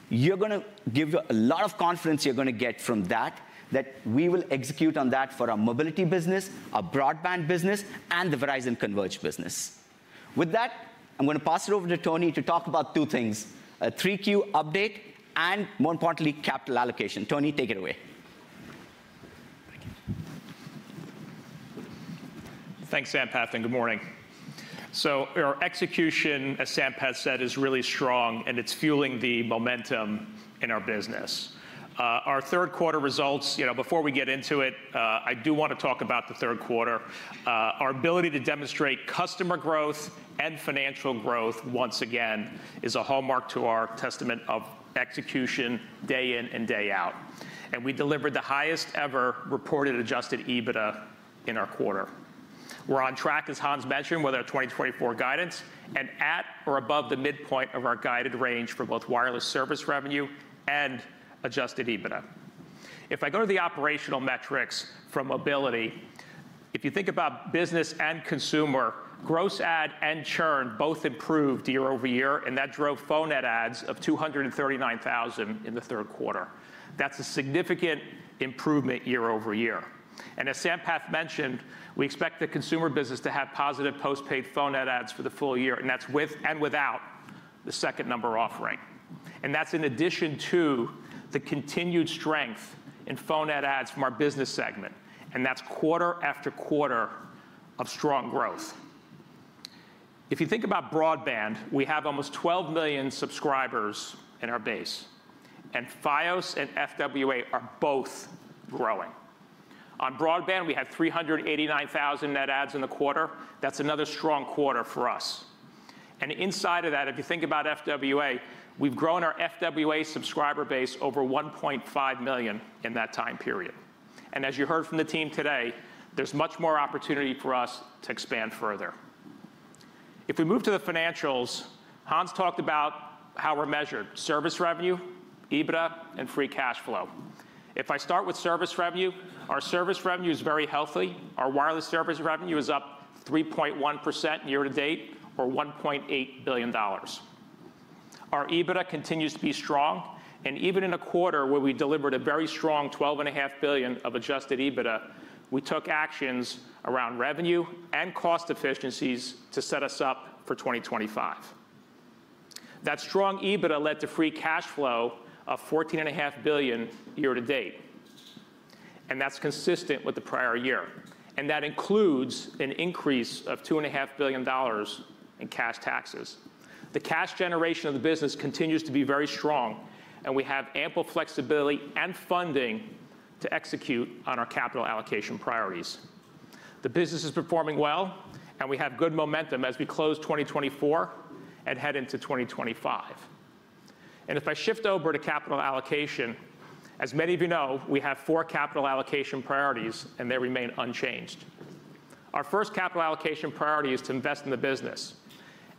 You're gonna give a lot of confidence you're gonna get from that, that we will execute on that for our mobility business, our broadband business, and the Verizon Converge business. With that, I'm gonna pass it over to Tony to talk about two things: a 3Q update, and more importantly, capital allocation. Tony, take it away. Thank you. Thanks, Sampath, and good morning, so our execution, as Sampath said, is really strong, and it's fueling the momentum in our business. Our third quarter results, you know, before we get into it, I do want to talk about the third quarter. Our ability to demonstrate customer growth and financial growth once again is a hallmark to our testament of execution, day in and day out, and we delivered the highest-ever reported Adjusted EBITDA in our quarter. We're on track, as Hans mentioned, with our 2024 guidance, and at or above the midpoint of our guided range for both wireless service revenue and Adjusted EBITDA. If I go to the operational metrics for mobility, if you think about business and consumer, gross add and churn both improved year-over-year, and that drove phone net adds of 239,000 in the third quarter. That's a significant improvement year-over-year. And as Sampath mentioned, we expect the consumer business to have positive postpaid phone net adds for the full year, and that's with and without the second number offering. And that's in addition to the continued strength in phone net adds from our business segment, and that's quarter-after-quarter of strong growth. If you think about broadband, we have almost twelve million subscribers in our base, and Fios and FWA are both growing. On broadband, we had three hundred and eighty-nine thousand net adds in the quarter. That's another strong quarter for us. And inside of that, if you think about FWA, we've grown our FWA subscriber base over 1.5 million in that time period. And as you heard from the team today, there's much more opportunity for us to expand further. If we move to the financials, Hans talked about how we're measured: service revenue, EBITDA, and free cash flow. If I start with service revenue, our service revenue is very healthy. Our wireless service revenue is up 3.1% year to date, or $1.8 billion. Our EBITDA continues to be strong, and even in a quarter where we delivered a very strong 12.5 billion of Adjusted EBITDA, we took actions around revenue and cost efficiencies to set us up for 2025. That strong EBITDA led to free cash flow of $14.5 billion year to date, and that's consistent with the prior year, and that includes an increase of $2.5 billion in cash taxes. The cash generation of the business continues to be very strong, and we have ample flexibility and funding to execute on our capital allocation priorities. The business is performing well, and we have good momentum as we close 2024 and head into 2025. If I shift over to capital allocation, as many of you know, we have four capital allocation priorities, and they remain unchanged. Our first capital allocation priority is to invest in the business,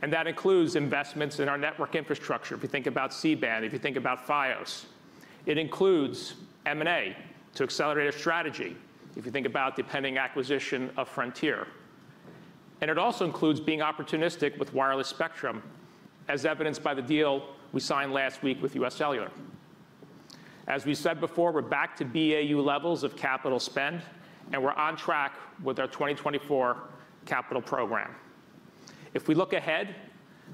and that includes investments in our network infrastructure, if you think about C-Band, if you think about Fios. It includes M&A to accelerate our strategy, if you think about the pending acquisition of Frontier. It also includes being opportunistic with wireless spectrum, as evidenced by the deal we signed last week with UScellular. As we said before, we're back to BAU levels of capital spend, and we're on track with our 2024 capital program. If we look ahead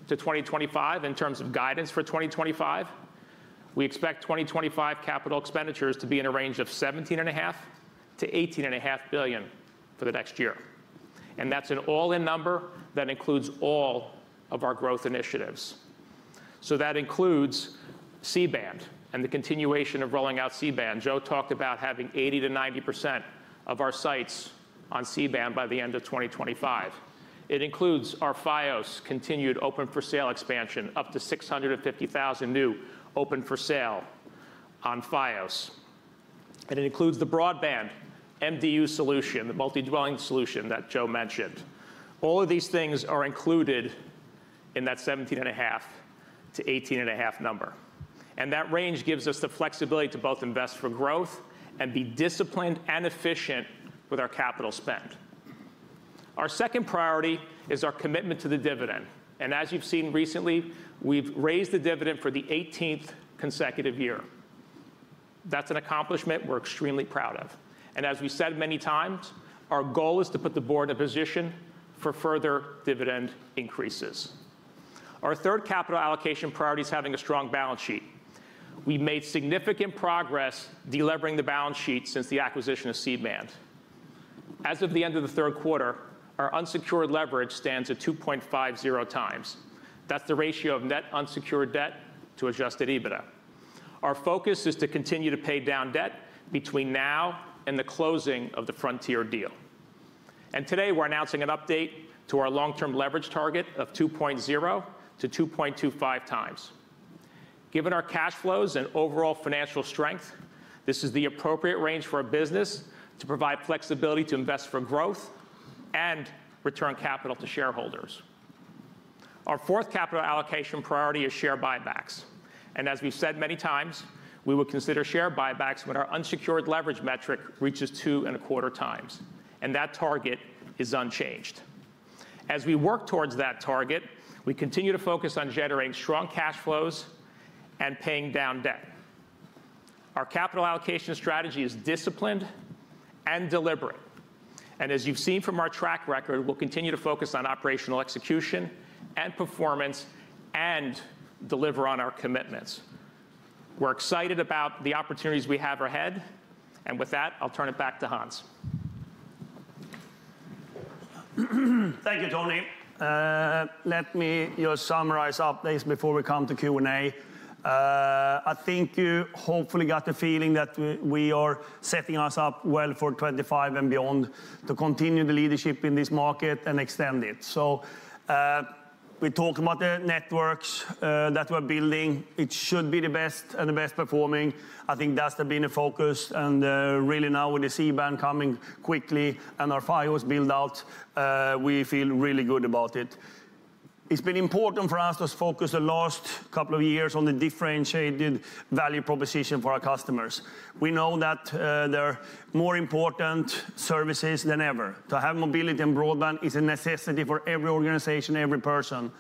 to 2025, in terms of guidance for 2025. We expect 2025 capital expenditures to be in a range of $17.5 billion-$18.5 billion for the next year, and that's an all-in number that includes all of our growth initiatives. That includes C-Band and the continuation of rolling out C-Band. Joe talked about having 80%-90% of our sites on C-Band by the end of 2025. It includes our Fios continued open-for-sale expansion, up to 650,000 new open for sale on Fios, and it includes the broadband MDU solution, the multi-dwelling solution that Joe mentioned. All of these things are included in that 17.5 to 18.5 number, and that range gives us the flexibility to both invest for growth and be disciplined and efficient with our capital spend. Our second priority is our commitment to the dividend, and as you've seen recently, we've raised the dividend for the 18th consecutive year. That's an accomplishment we're extremely proud of, and as we said many times, our goal is to put the board in a position for further dividend increases. Our third capital allocation priority is having a strong balance sheet. We've made significant progress delevering the balance sheet since the acquisition of C-Band. As of the end of the third quarter, our unsecured leverage stands at two point five zero times. That's the ratio of net unsecured debt to Adjusted EBITDA. Our focus is to continue to pay down debt between now and the closing of the Frontier deal, and today, we're announcing an update to our long-term leverage target of 2.0 to 2.25x. Given our cash flows and overall financial strength, this is the appropriate range for a business to provide flexibility to invest for growth and return capital to shareholders. Our fourth capital allocation priority is share buybacks, and as we've said many times, we will consider share buybacks when our unsecured leverage metric reaches two and a quarter times, and that target is unchanged. As we work towards that target, we continue to focus on generating strong cash flows and paying down debt. Our capital allocation strategy is disciplined and deliberate, and as you've seen from our track record, we'll continue to focus on operational execution and performance and deliver on our commitments. We're excited about the opportunities we have ahead, and with that, I'll turn it back to Hans. Thank you, Tony. Let me just summarize our updates before we come to Q&A. I think you hopefully got the feeling that we are setting us up well for 2025 and beyond to continue the leadership in this market and extend it. So we talked about the networks that we're building. It should be the best and the best performing. I think that's been a focus, and really now with the C-Band coming quickly and our Fios build-out, we feel really good about it. It's been important for us to focus the last couple of years on the differentiated value proposition for our customers. We know that they're more important services than ever. To have mobility and broadband is a necessity for every organization, every person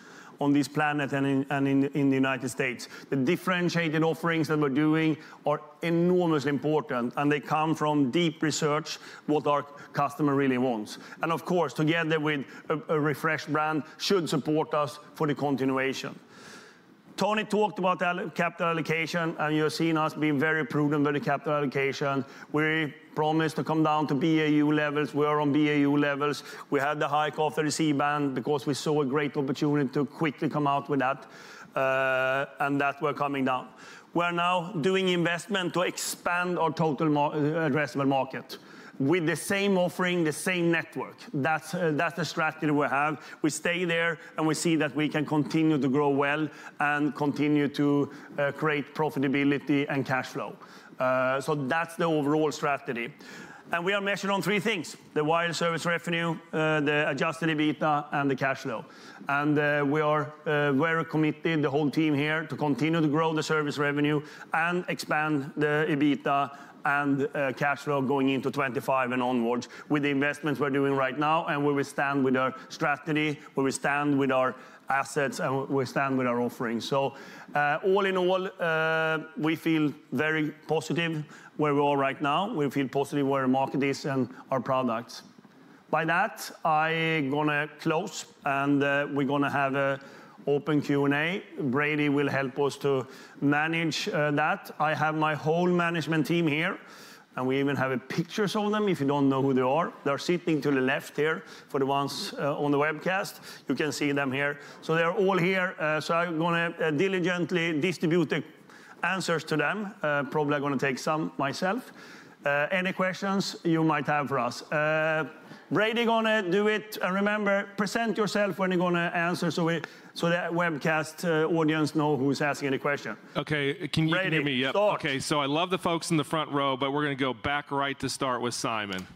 on this planet and in the United States. The differentiated offerings that we're doing are enormously important, and they come from deep research what our customer really wants. And of course, together with a refreshed brand, should support us for the continuation. Tony talked about capital allocation, and you've seen us being very prudent with the capital allocation. We promised to come down to BAU levels. We are on BAU levels. We had the hike of the C-Band because we saw a great opportunity to quickly come out with that, and that we're coming down. We're now doing investment to expand our total addressable market with the same offering, the same network. That's the strategy we have. We stay there, and we see that we can continue to grow well and continue to create profitability and cash flow. So that's the overall strategy. We are measured on three things: the wireless service revenue, the Adjusted EBITDA, and the cash flow. We are very committed, the whole team here, to continue to grow the service revenue and expand the EBITDA and cash flow going into 2025 and onwards with the investments we're doing right now, and where we stand with our strategy, where we stand with our assets, and where we stand with our offerings. All in all, we feel very positive where we are right now. We feel positive where the market is and our products. By that, I gonna close, and we're gonna have an open Q&A. Brady will help us to manage that. I have my whole management team here, and we even have pictures of them if you don't know who they are. They're sitting to the left here. For the ones on the webcast, you can see them here. So they're all here, so I'm gonna diligently distribute the answers to them. Probably I'm gonna take some myself. Any questions you might have for us. Brady gonna do it, and remember, present yourself when you're gonna answer so the webcast audience know who's asking the question. Okay. Can you hear me? Brady, start. Yep. Okay, so I love the folks in the front row, but we're gonna go back right to start with Simon.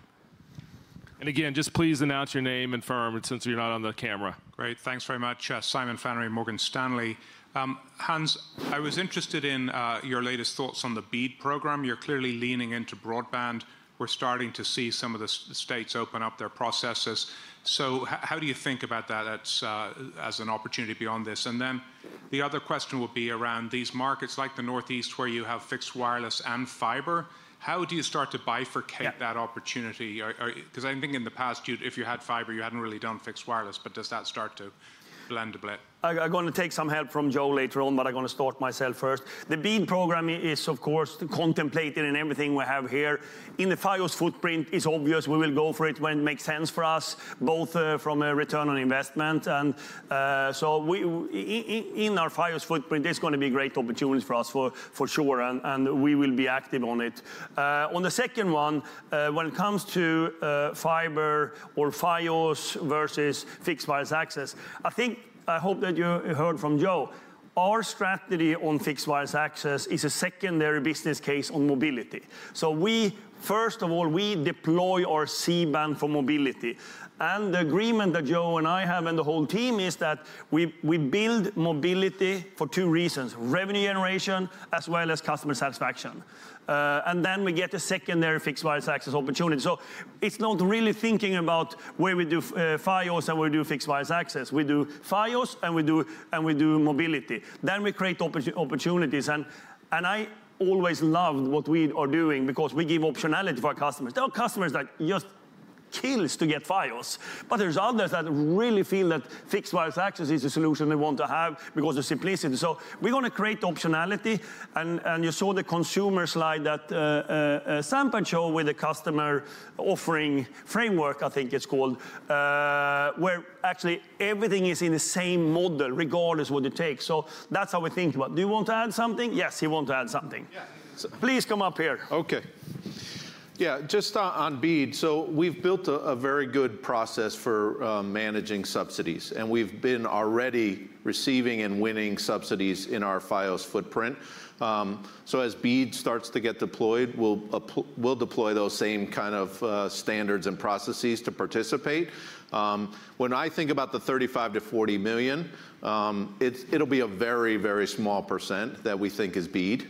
And again, just please announce your name and firm, and since you're not on the camera. Great. Thanks very much. Simon Flannery, Morgan Stanley. Hans, I was interested in your latest thoughts on the BEAD program. You're clearly leaning into broadband. We're starting to see some of the states open up their processes. So how do you think about that as an opportunity beyond this? And then the other question would be around these markets, like the Northeast, where you have Fixed Wireless and fiber, how do you start to bifurcate- Yeah that opportunity? Or, 'cause I think in the past, you'd- if you had fiber, you hadn't really done Fixed Wireless, but does that start to blend a bit? I'm gonna take some help from Joe later on, but I'm gonna start myself first. The BEAD Program is, of course, contemplated in everything we have here. In the Fios footprint, it's obvious we will go for it when it makes sense for us, both from a return on investment and so in our Fios footprint, there's gonna be great opportunities for us for sure, and we will be active on it. On the second one, when it comes to fiber Fixed Wireless Access, i think i hope that you heard from Joe. Fixed Wireless Access is a secondary business case on mobility. So we, first of all, we deploy our C-Band for mobility, and the agreement that Joe and I have, and the whole team, is that we, we build mobility for two reasons: revenue generation, as well as customer satisfaction. And then we get to Fixed Wireless Access opportunity. so it's not really thinking about where we do Fios and Fixed Wireless Access. we do Fios, and we do, and we do mobility, then we create opportunities. And, and I always love what we are doing because we give optionality to our customers. There are customers that just kills to get Fios, but there's others that Fixed Wireless Access is the solution they want to have because of simplicity. So we're gonna create optionality, and you saw the consumer slide that Sampath showed with the customer offering framework, I think it's called, where actually everything is in the same model, regardless what it takes. So that's how we think about it. Do you want to add something? Yes, he want to add something. Yeah. So please come up here. Okay. Yeah, just on BEAD, so we've built a very good process for managing subsidies, and we've been already receiving and winning subsidies in our Fios footprint. So as BEAD starts to get deployed, we'll deploy those same kind of standards and processes to participate. When I think about the $35 million-$40 million, it'll be a very, very small % that we think is BEAD.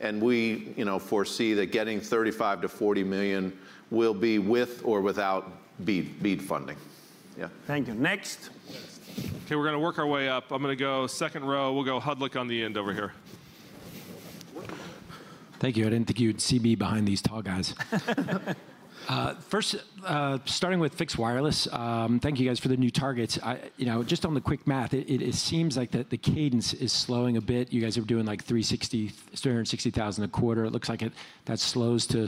And we, you know, foresee that getting $35 million-$40 million will be with or without BEAD funding. Yeah. Thank you. Next. Okay, we're gonna work our way up. I'm gonna go second row. We'll go Hodulik on the end over here. Thank you. I didn't think you'd see me behind these tall guys. First, starting with Fixed Wireless, thank you, guys, for the new targets. You know, just on the quick math, it seems like that the cadence is slowing a bit. You guys are doing, like, three hundred and sixty thousand a quarter. It looks like that slows to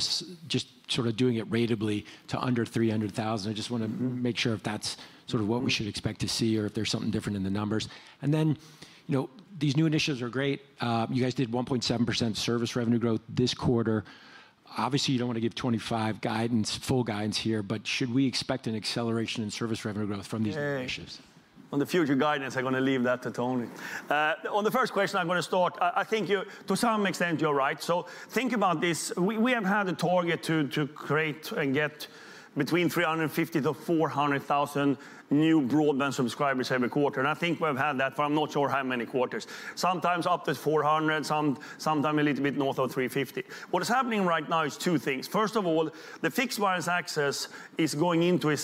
just sort of doing it ratably to under three hundred thousand. I just want to make sure if that's sort of what we should expect to see or if there's something different in the numbers. Then, you know, these new initiatives are great. You guys did 1.7% service revenue growth this quarter. Obviously, you don't want to give 2025 guidance, full guidance here, but should we expect an acceleration in service revenue growth from these initiatives? On the future guidance, I'm gonna leave that to Tony. On the first question, I'm gonna start. I think to some extent, you're right. So think about this: We have had a target to create and get between three hundred and fifty to 400,000 new broadband subscribers every quarter, and I think we've had that for I'm not sure how many quarters. Sometimes up to four hundred, sometimes a little bit north of three fifty. What is happening right now is two things. First Fixed Wireless Access is going into a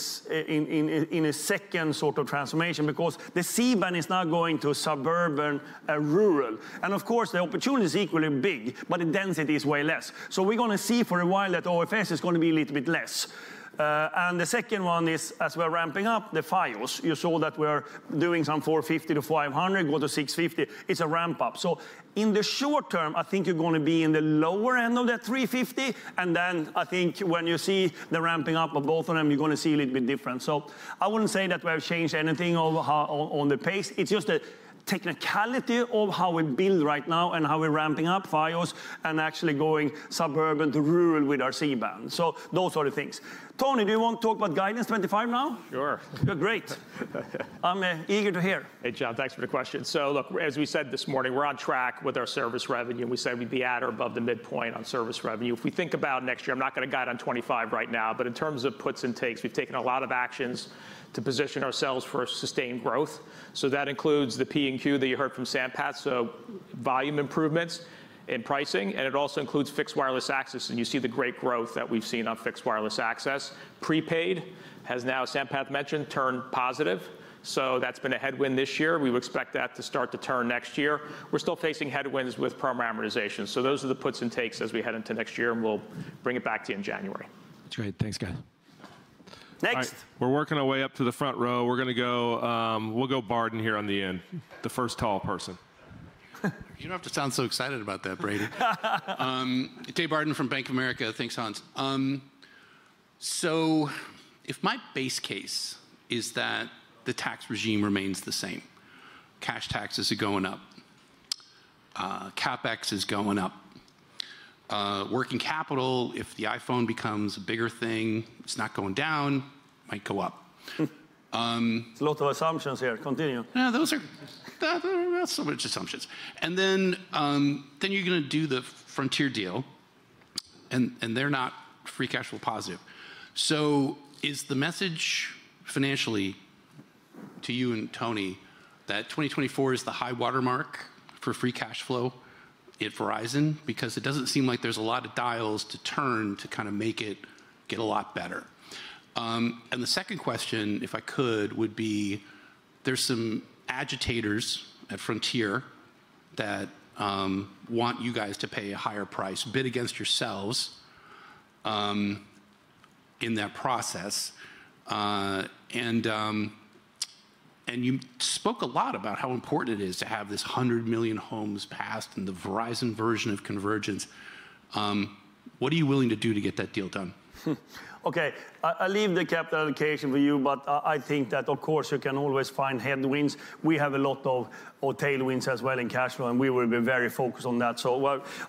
second sort of transformation because the C-Band is now going to suburban and rural. Of course, the opportunity is equally big, but the density is way less. So we're gonna see for a while that OFS is gonna be a little bit less. And the second one is, as we're ramping up the Fios, you saw that we're doing some $450-$500, go to $650. It's a ramp up. In the short term, I think you're gonna be in the lower end of that $350, and then I think when you see the ramping up of both of them, you're gonna see a little bit different. I wouldn't say that we have changed anything on the pace. It's just a technicality of how we build right now and how we're ramping up Fios and actually going suburban to rural with our C-Band, so those sort of things. Tony, do you want to talk about guidance 2025 now? Sure. Good, great. I'm eager to hear. Hey, John, thanks for the question. So look, as we said this morning, we're on track with our service revenue. We said we'd be at or above the midpoint on service revenue. If we think about next year, I'm not gonna guide on 2025 right now, but in terms of puts and takes, we've taken a lot of actions to position ourselves for a sustained growth. So that includes the P/Q that you heard from Sampath, so volume improvements in pricing, and Fixed Wireless Access, and you see the great growth that Fixed Wireless Access. prepaid has now, Sampath mentioned, turned positive, so that's been a headwind this year. We would expect that to start to turn next year. We're still facing headwinds with parameterization. So those are the puts and takes as we head into next year, and we'll bring it back to you in January. That's great. Thanks, guys. Next. All right, we're working our way up to the front row. We're gonna go... We'll go Barden here on the end, the first tall person. You don't have to sound so excited about that, Brady. David Barden from Bank of America. Thanks, Hans. So if my base case is that the tax regime remains the same, cash taxes are going up, CapEx is going up, working capital, if the iPhone becomes a bigger thing, it's not going down- .might go up. There's a lot of assumptions here. Continue. No, those are not so much assumptions. And then, then you're gonna do the Frontier deal, and they're not free cash flow positive. So is the message financially to you and Tony that 2024 is the high watermark for free cash flow at Verizon? Because it doesn't seem like there's a lot of dials to turn to kind of make it get a lot better. And the second question, if I could, would be, there's some agitators at Frontier that want you guys to pay a higher price, bid against yourselves, in that process. And you spoke a lot about how important it is to have this 100 million homes passed and the Verizon version of convergence. What are you willing to do to get that deal done? Okay, I'll leave the capital allocation for you, but I think that of course you can always find headwinds. We have a lot of... or tailwinds as well in cash flow, and we will be very focused on that.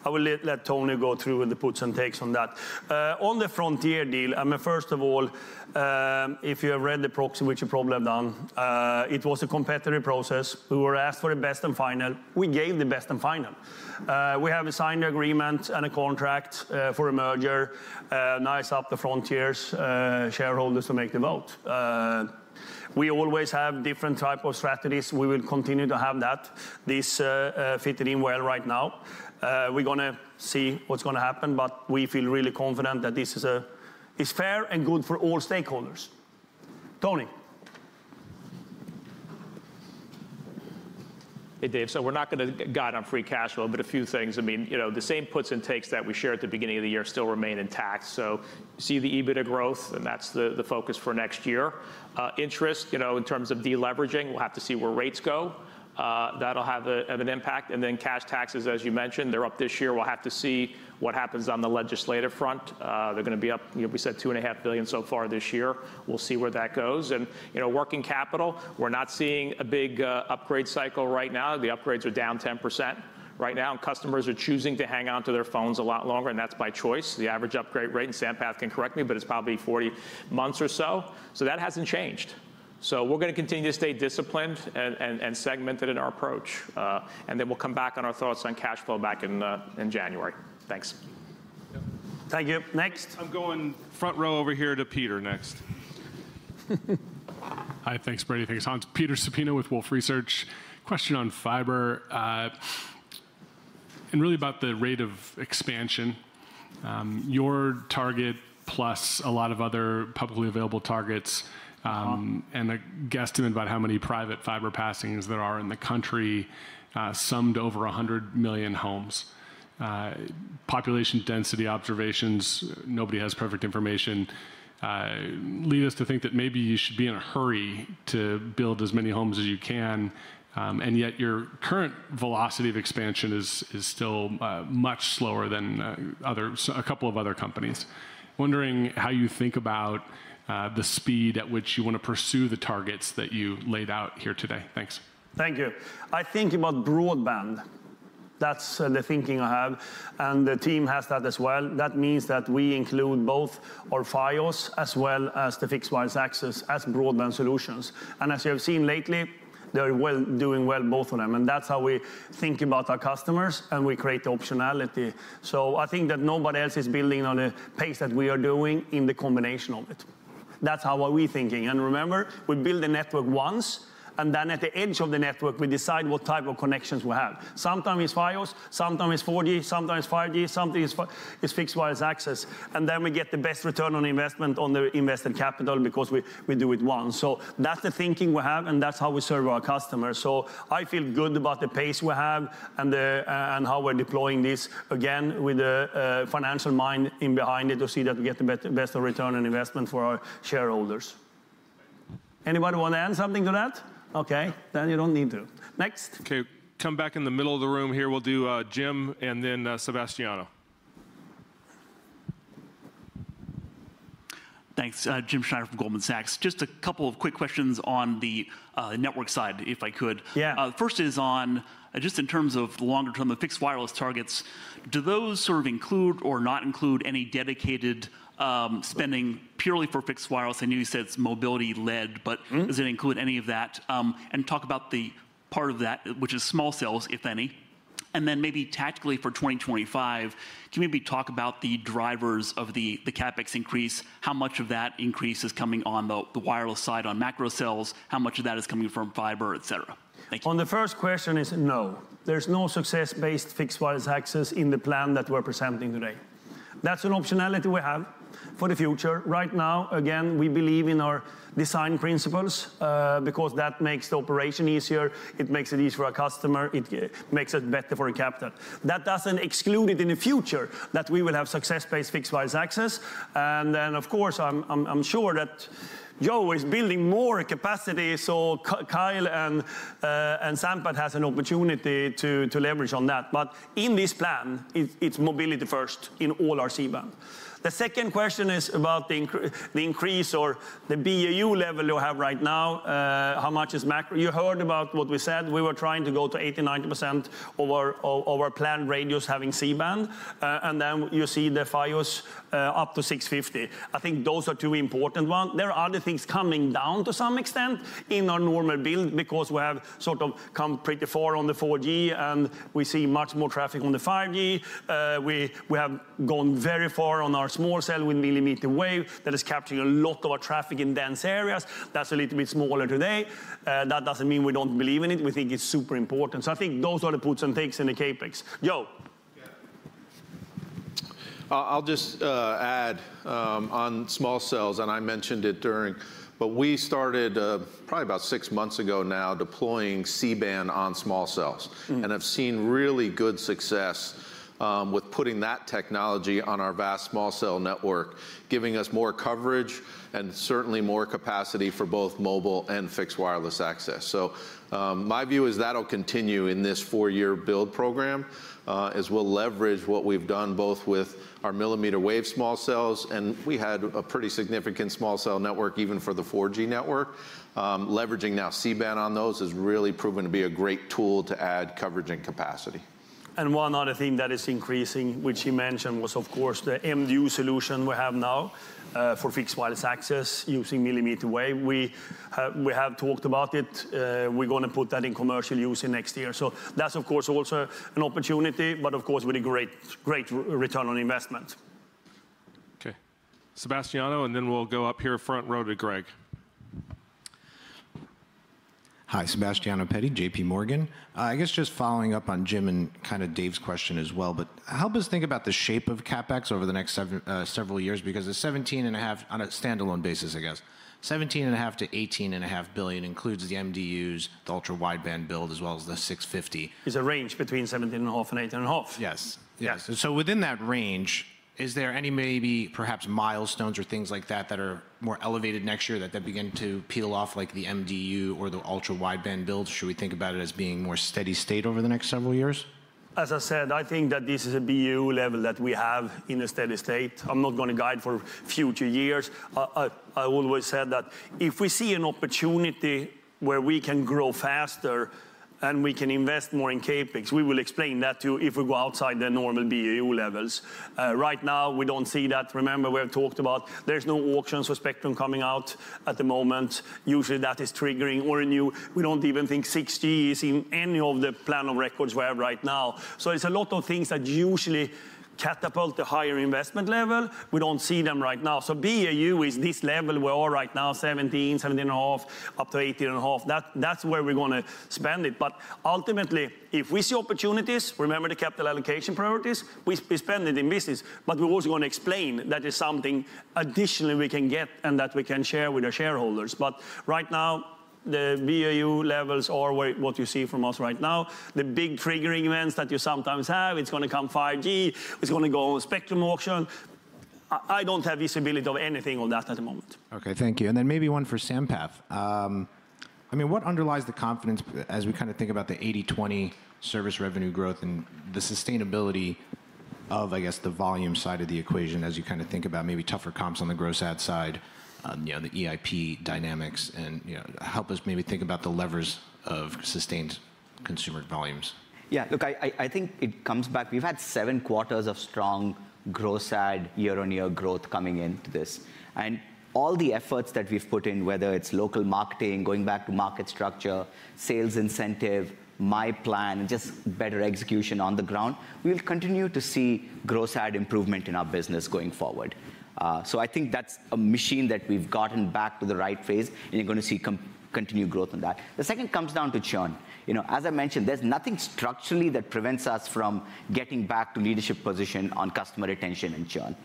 I will let Tony go through with the puts and takes on that. On the Frontier deal, I mean, first of all, if you have read the proxy, which you probably have done, it was a competitive process. We were asked for the best and final. We gave the best and final. We have a signed agreement and a contract for a merger, now it's up to Frontier's shareholders to make the vote. We always have different type of strategies. We will continue to have that. This fitting in well right now. We're gonna see what's gonna happen, but we feel really confident that this is, it's fair and good for all stakeholders. Tony? Hey, Dave. So we're not gonna get got on free cash flow, but a few things. I mean, you know, the same puts and takes that we shared at the beginning of the year still remain intact. So you see the EBITDA growth, and that's the, the focus for next year. Interest, you know, in terms of deleveraging, we'll have to see where rates go. That'll have an impact. And then cash taxes, as you mentioned, they're up this year. We'll have to see what happens on the legislative front. They're gonna be up, you know, we said $2.5 billion so far this year. We'll see where that goes. And, you know, working capital, we're not seeing a big upgrade cycle right now. The upgrades are down 10% right now, and customers are choosing to hang on to their phones a lot longer, and that's by choice. The average upgrade rate, and Sampath can correct me, but it's probably 40 months or so. So that hasn't changed. So we're gonna continue to stay disciplined and segmented in our approach. And then we'll come back on our thoughts on cash flow back in January. Thanks. Thank you. Next? I'm going front row over here to Peter next. Hi. Thanks, Brady. Thanks, Hans. Peter Supino with Wolfe Research. Question on fiber, and really about the rate of expansion. Your target, plus a lot of other publicly available targets, And a guesstimate about how many private fiber passings there are in the country, summed over a hundred million homes. Population density observations, nobody has perfect information, lead us to think that maybe you should be in a hurry to build as many homes as you can, and yet your current velocity of expansion is still much slower than a couple of other companies. Wondering how you think about the speed at which you want to pursue the targets that you laid out here today? Thanks. Thank you. I think about broadband. That's the thinking I have, and the team has that as well. That means that we include both our Fios as Fixed Wireless Access as broadband solutions. And as you have seen lately, they're doing well, both of them, and that's how we think about our customers, and we create optionality. So I think that nobody else is building on the pace that we are doing in the combination of it. That's how are we thinking. And remember, we build the network once, and then at the edge of the network, we decide what type of connections we have. Sometimes it's Fios, sometimes it's 4G, sometimes Fixed Wireless Access, and then we get the best return on investment on the invested capital because we do it once. So that's the thinking we have, and that's how we serve our customers. So I feel good about the pace we have and the and how we're deploying this, again, with a financial mind in behind it to see that we get the best return on investment for our shareholders. Anybody want to add something to that? Okay, then you don't need to. Next. Okay, come back in the middle of the room here. We'll do Jim and then Sebastiano. Thanks. Jim Schneider from Goldman Sachs. Just a couple of quick questions on the network side, if I could. Yeah. The first is on, just in terms of the longer term, the Fixed Wireless targets, do those sort of include or not include any dedicated spending purely for Fixed Wireless? I know you said it's mobility-led- Mm-hmm... but does it include any of that and talk about the part of that, which is small cells, if any and then maybe tactically for 2025, can you maybe talk about the drivers of the CapEx increase? How much of that increase is coming on the wireless side, on macro cells? How much of that is coming from fiber, et cetera? Thank you. On the first question, is no, Fixed Wireless Access in the plan that we're presenting today. That's an optionality we have for the future. Right now, again, we believe in our design principles, because that makes the operation easier, it makes it easier for our customer, it makes it better for our capital. That doesn't exclude it in the future, that we Fixed Wireless Access. and then, of course, I'm sure that Joe is building more capacity, so Kyle and Sampath has an opportunity to leverage on that. But in this plan, it's mobility first in all our C-Band. The second question is about the increase or the BAU level you have right now. How much is macro? You heard about what we said. We were trying to go to 80%-90% of our planned radios having C-Band. And then you see the Fios up to 650. I think those are two important one. There are other things coming down to some extent in our normal build because we have sort of come pretty far on the 4G, and we see much more traffic on the 5G. We have gone very far on our small cell with Millimeter Wave that is capturing a lot of our traffic in dense areas. That's a little bit smaller today. That doesn't mean we don't believe in it. We think it's super important. So I think those are the puts and takes in the CapEx. Joe? Yeah. I'll just add on small cells, and I mentioned it. But we started probably about six months ago now, deploying C-Band on small cells. Mm. And I've seen really good success with putting that technology on our vast small cell network, giving us more coverage and certainly more capacity for Fixed Wireless Access. so, my view is that'll continue in this four-year build program, as we'll leverage what we've done both with our Millimeter Wave small cells, and we had a pretty significant small cell network even for the 4G network, leveraging now C-Band on those has really proven to be a great tool to add coverage and capacity. One other thing that is increasing, which he mentioned, was, of course, the MDU solution we have now Fixed Wireless Access using millimeter wave. We have talked about it. We're going to put that in commercial use in next year. So that's, of course, also an opportunity, but of course, with a great return on investment. Okay. Sebastiano, and then we'll go up here front row to Greg. Hi, Sebastiano Petti, JPMorgan. I guess just following up on Jim and kind of Dave's question as well, but help us think about the shape of CapEx over the next several years, because the $17.5, on a standalone basis, I guess, $17.5 billion-$18.5 billion includes the MDUs, the Ultra Wideband build, as well as the $650 million. It's a range between seventeen and a half and eighteen and a half. Yes, yes. So within that range, is there any maybe perhaps milestones or things like that that are more elevated next year that begin to peel off, like the MDU or the Ultra Wideband build? Should we think about it as being more steady state over the next several years? As I said, I think that this is a BAU level that we have in a steady state. I'm not going to guide for future years. I always said that if we see an opportunity where we can grow faster and we can invest more in CapEx, we will explain that to you if we go outside the normal BAU levels. Right now, we don't see that. Remember, we have talked about there's no auctions for spectrum coming out at the moment. Usually, that is triggering or a new. We don't even think 6G is in any of the plan of records we have right now. So it's a lot of things that usually catapult to higher investment level. We don't see them right now. So BAU is this level we are right now, 17, 17.5, up to 18.5. That, that's where we're going to spend it, but ultimately, if we see opportunities, remember the capital allocation priorities, we spend it in business, but we're also going to explain that is something additionally we can get and that we can share with our shareholders. But right now, the BAU levels are where what you see from us right now. The big triggering events that you sometimes have, it's going to come 5G, it's going to go on spectrum auction. I don't have visibility of anything on that at the moment. Okay, thank you. And then maybe one for Sampath. I mean, what underlies the confidence as we kind of think about the 820 service revenue growth and the sustainability of, I guess, the volume side of the equation as you kind of think about maybe tougher comps on the gross add side, you know, the EIP dynamics, and, you know, help us maybe think about the levers of sustained consumer volumes? Yeah, look, I think it comes back. We've had seven quarters of strong growth side, year-on-year growth coming into this. And all the efforts that we've put in, whether it's local marketing, going back to market structure, sales incentive, myPlan, just better execution on the ground, we'll continue to see growth side improvement in our business going forward. So I think that's a machine that we've gotten back to the right phase, and you're going to see continued growth on that. The second comes down to churn. You know, as I mentioned, there's nothing structurally that prevents us from getting back to leadership position on customer retention and churn.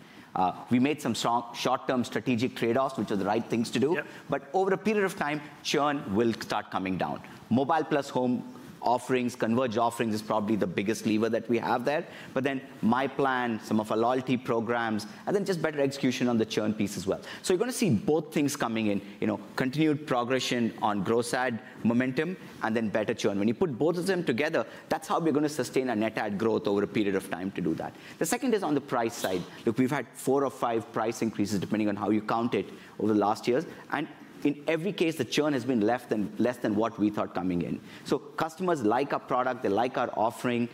We made some strong short-term strategic trade-offs, which are the right things to do. Yeah. But over a period of time, churn will start coming down. Mobile + Home offerings, converged offerings, is probably the biggest lever that we have there, but then myPlan, some of our loyalty programs, and then just better execution on the churn piece as well. So you're going to see both things coming in, you know, continued progression on growth side, momentum, and then better churn. When you put both of them together, that's how we're going to sustain a net add growth over a period of time to do that. The second is on the price side. Look, we've had four or five price increases, depending on how you count it, over the last years, and in every case, the churn has been less than, less than what we thought coming in. So customers like our product, they like our offering,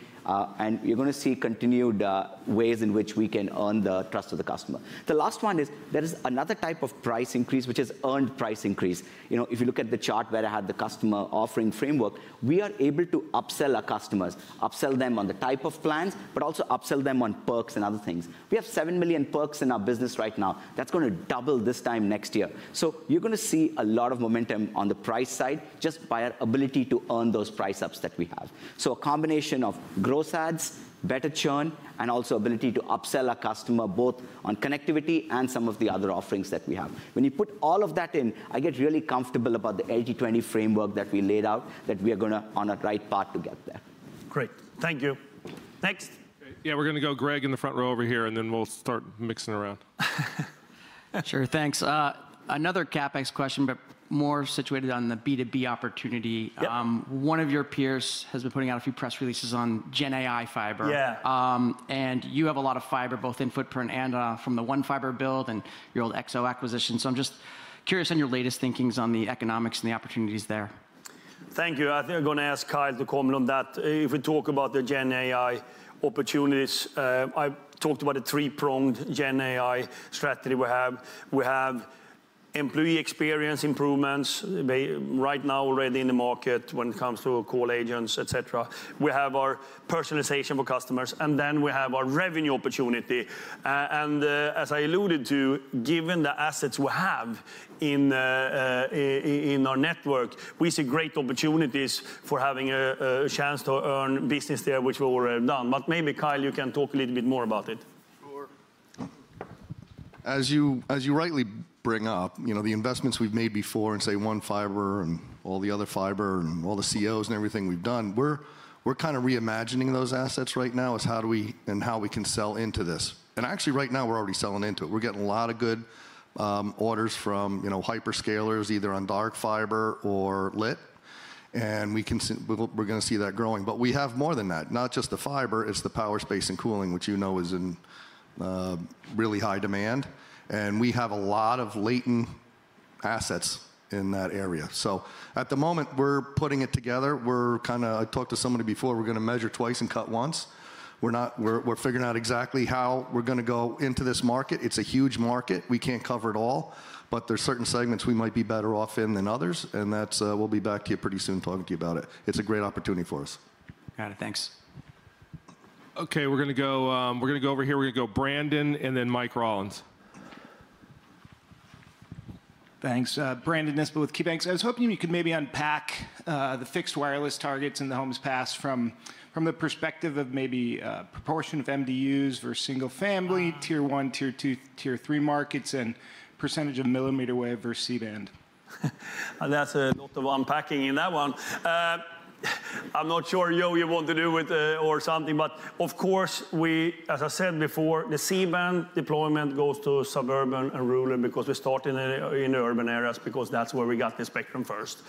and you're going to see continued ways in which we can earn the trust of the customer. The last one is there is another type of price increase, which is earned price increase. You know, if you look at the chart where I had the customer offering framework, we are able to upsell our customers, upsell them on the type of plans, but also upsell them on perks and other things. We have seven million perks in our business right now. That's going to double this time next year. So you're going to see a lot of momentum on the price side, just by our ability to earn those price ups that we have. A combination of gross adds, better churn, and also ability to upsell our customer, both on connectivity and some of the other offerings that we have. When you put all of that in, I get really comfortable about the 820 framework that we laid out, that we are going to on a right path to get there. Great. Thank you. Next? Yeah, we're going to go Greg, in the front row over here, and then we'll start mixing around. Sure, thanks. Another CapEx question, but more situated on the B2B opportunity. Yeah. One of your peers has been putting out a few press releases on GenAI fiber. Yeah. You have a lot of fiber, both in footprint and from the One Fiber build and your old XO acquisition. So I'm just curious on your latest thinkings on the economics and the opportunities there. Thank you. I think I'm gonna ask Kyle to comment on that. If we talk about the Gen AI opportunities, I've talked about a three-pronged Gen AI strategy we have. We have employee experience improvements, they right now already in the market when it comes to call agents, et cetera. We have our personalization for customers, and then we have our revenue opportunity. And, as I alluded to, given the assets we have in, in our network, we see great opportunities for having a chance to earn business there, which we've already done. But maybe Kyle, you can talk a little bit more about it. Sure. As you rightly bring up, you know, the investments we've made before in, say, One Fiber and all the other fiber, and all the COs and everything we've done, we're kind of reimagining those assets right now, as how do we... and how we can sell into this. Actually, right now, we're already selling into it. We're getting a lot of good orders from, you know, hyperscalers, either on dark fiber or lit, and we can, we're gonna see that growing. We have more than that, not just the fiber, it's the power space and cooling, which you know is in really high demand, and we have a lot of latent assets in that area. So at the moment, we're putting it together. I talked to somebody before, we're gonna measure twice and cut once. We're figuring out exactly how we're gonna go into this market. It's a huge market, we can't cover it all, but there's certain segments we might be better off in than others, and that's. We'll be back here pretty soon talking to you about it. It's a great opportunity for us. Got it. Thanks. Okay, we're gonna go, we're gonna go over here. We're gonna go Brandon, and then Mike Rollins. Thanks. Brandon Nispel with KeyBanc. I was hoping you could maybe unpack the Fixed Wireless targets in the homes passed from the perspective of maybe proportion of MDUs versus single family, Tier 1, Tier 2, Tier 3 markets, and percentage of Millimeter Wave versus C-Band. That's a lot of unpacking in that one. I'm not sure, Joe, you want to do it or something, but of course, we, as I said before, the C-Band deployment goes to suburban and rural because we start in urban areas, because that's where we got the spectrum first.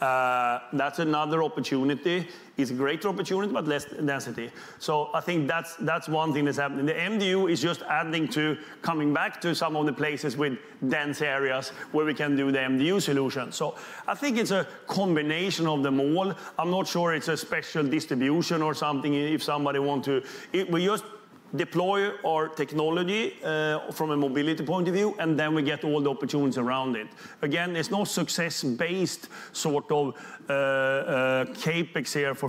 That's another opportunity. It's a great opportunity, but less density. So I think that's one thing that's happening. The MDU is just adding to coming back to some of the places with dense areas where we can do the MDU solution. So I think it's a combination of them all. I'm not sure it's a special distribution or something, if somebody want to. We just deploy our technology from a mobility point of view, and then we get all the opportunities around it. Again, there's no success-based sort of